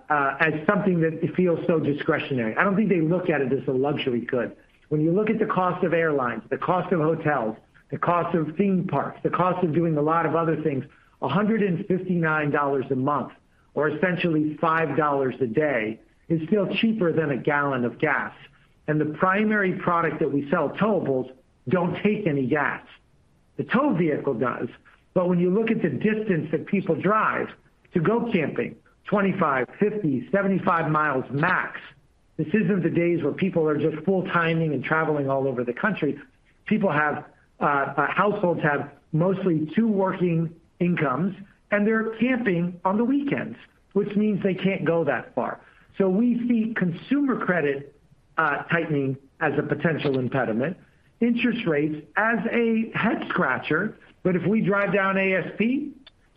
as something that feels so discretionary. I don't think they look at it as a luxury good. When you look at the cost of airlines, the cost of hotels, the cost of theme parks, the cost of doing a lot of other things, $159 a month, or essentially $5 a day, is still cheaper than a gallon of gas. The primary product that we sell, towables, don't take any gas. The tow vehicle does. When you look at the distance that people drive to go camping, 25, 50, 75 miles max. This isn't the days where people are just full timing and traveling all over the country. Households have mostly two working incomes, and they're camping on the weekends, which means they can't go that far. We see consumer credit tightening as a potential impediment, interest rates as a head-scratcher. If we drive down ASP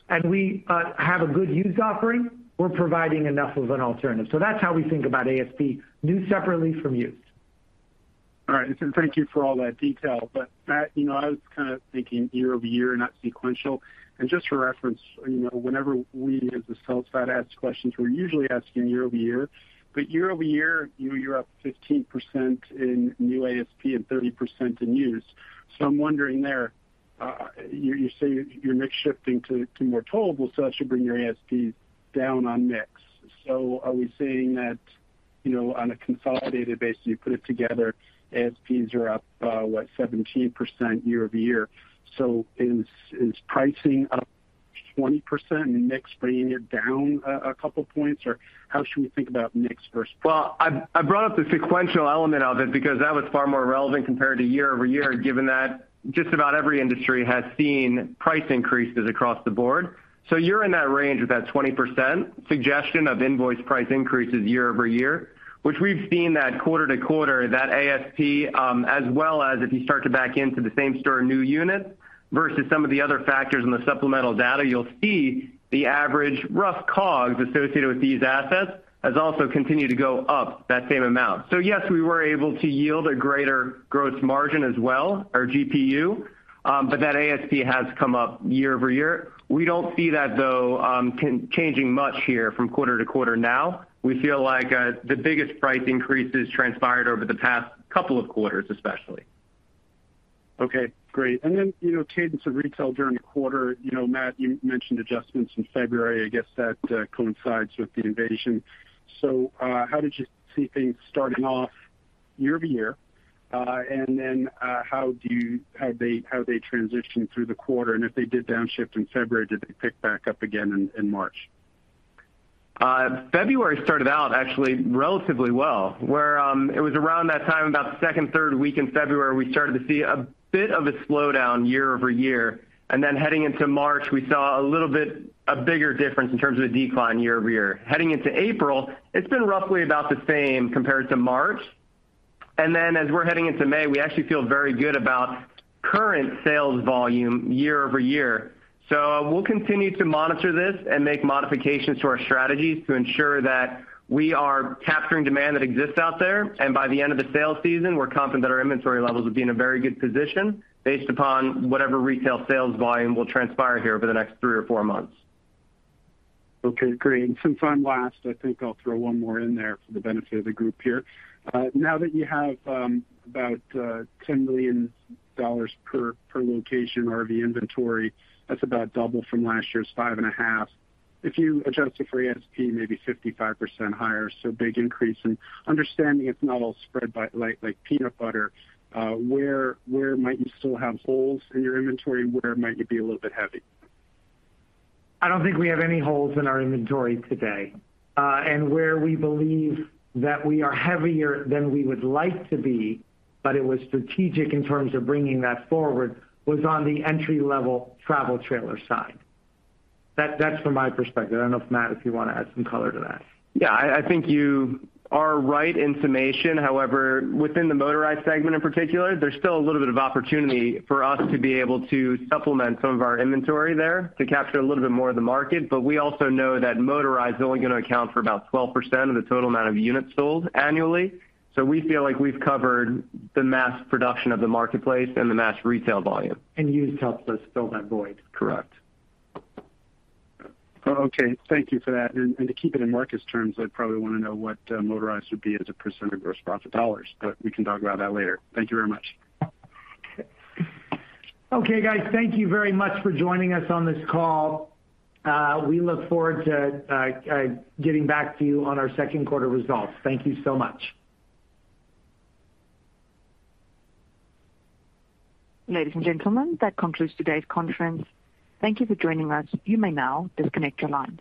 and we have a good used offering, we're providing enough of an alternative. That's how we think about ASP, new separately from used. All right. Thank you for all that detail. Matt, you know, I was kind of thinking year-over-year, not sequential. Just for reference, you know, whenever we as a sell side ask questions, we're usually asking year-over-year. Year-over-year, you know, you're up 15% in new ASP and 30% in used. I'm wondering there, you say you're mix shifting to more towables, so that should bring your ASPs down on mix. Are we saying that, you know, on a consolidated basis, you put it together, ASPs are up, what, 17% year-over-year. Is pricing up 20% and mix bringing it down a couple of points, or how should we think about mix versus- Well, I brought up the sequential element of it because that was far more relevant compared to year-over-year, given that just about every industry has seen price increases across the board. You're in that range with that 20% suggestion of invoice price increases year-over-year, which we've seen that quarter-over-quarter, that ASP, as well as if you start to back into the same store new units versus some of the other factors in the supplemental data, you'll see the average rough COGS associated with these assets has also continued to go up that same amount. Yes, we were able to yield a greater gross margin as well, our GPU, but that ASP has come up year-over-year. We don't see that, though, continuing to change much here from quarter-over-quarter now. We feel like the biggest price increases transpired over the past couple of quarters, especially. Okay, great. You know, cadence of retail during the quarter. You know, Matt, you mentioned adjustments in February. I guess that coincides with the invasion. How did you see things starting off year-over-year? How they transition through the quarter? If they did downshift in February, did they pick back up again in March? February started out actually relatively well. It was around that time, about the second, third week in February, we started to see a bit of a slowdown year-over-year. Then heading into March, we saw a little bit of a bigger difference in terms of the decline year-over-year. Heading into April, it's been roughly about the same compared to March. As we're heading into May, we actually feel very good about current sales volume year-over-year. We'll continue to monitor this and make modifications to our strategies to ensure that we are capturing demand that exists out there. By the end of the sales season, we're confident that our inventory levels will be in a very good position based upon whatever retail sales volume will transpire here over the next three or four months. Okay, great. Since I'm last, I think I'll throw one more in there for the benefit of the group here. Now that you have about $10 million per location RV inventory, that's about double from last year's $5.5 million. If you adjust it for ASP, maybe 55% higher, so big increase. Understanding it's not all spread by like peanut butter, where might you still have holes in your inventory? Where might you be a little bit heavy? I don't think we have any holes in our inventory today. Where we believe that we are heavier than we would like to be, but it was strategic in terms of bringing that forward, was on the entry-level travel trailer side. That, that's from my perspective. I don't know if Matt, if you wanna add some color to that. Yeah. I think you are right in summation. However, within the motorized segment in particular, there's still a little bit of opportunity for us to be able to supplement some of our inventory there to capture a little bit more of the market. We also know that motorized is only gonna account for about 12% of the total amount of units sold annually. We feel like we've covered the mass production of the marketplace and the mass retail volume. Used helps us fill that void. Correct. Okay. Thank you for that. To keep it in Marcus terms, I'd probably wanna know what motorized would be as a % of gross profit dollars, but we can talk about that later. Thank you very much. Okay. Okay, guys. Thank you very much for joining us on this call. We look forward to getting back to you on our second quarter results. Thank you so much. Ladies and gentlemen, that concludes today's conference. Thank you for joining us. You may now disconnect your line.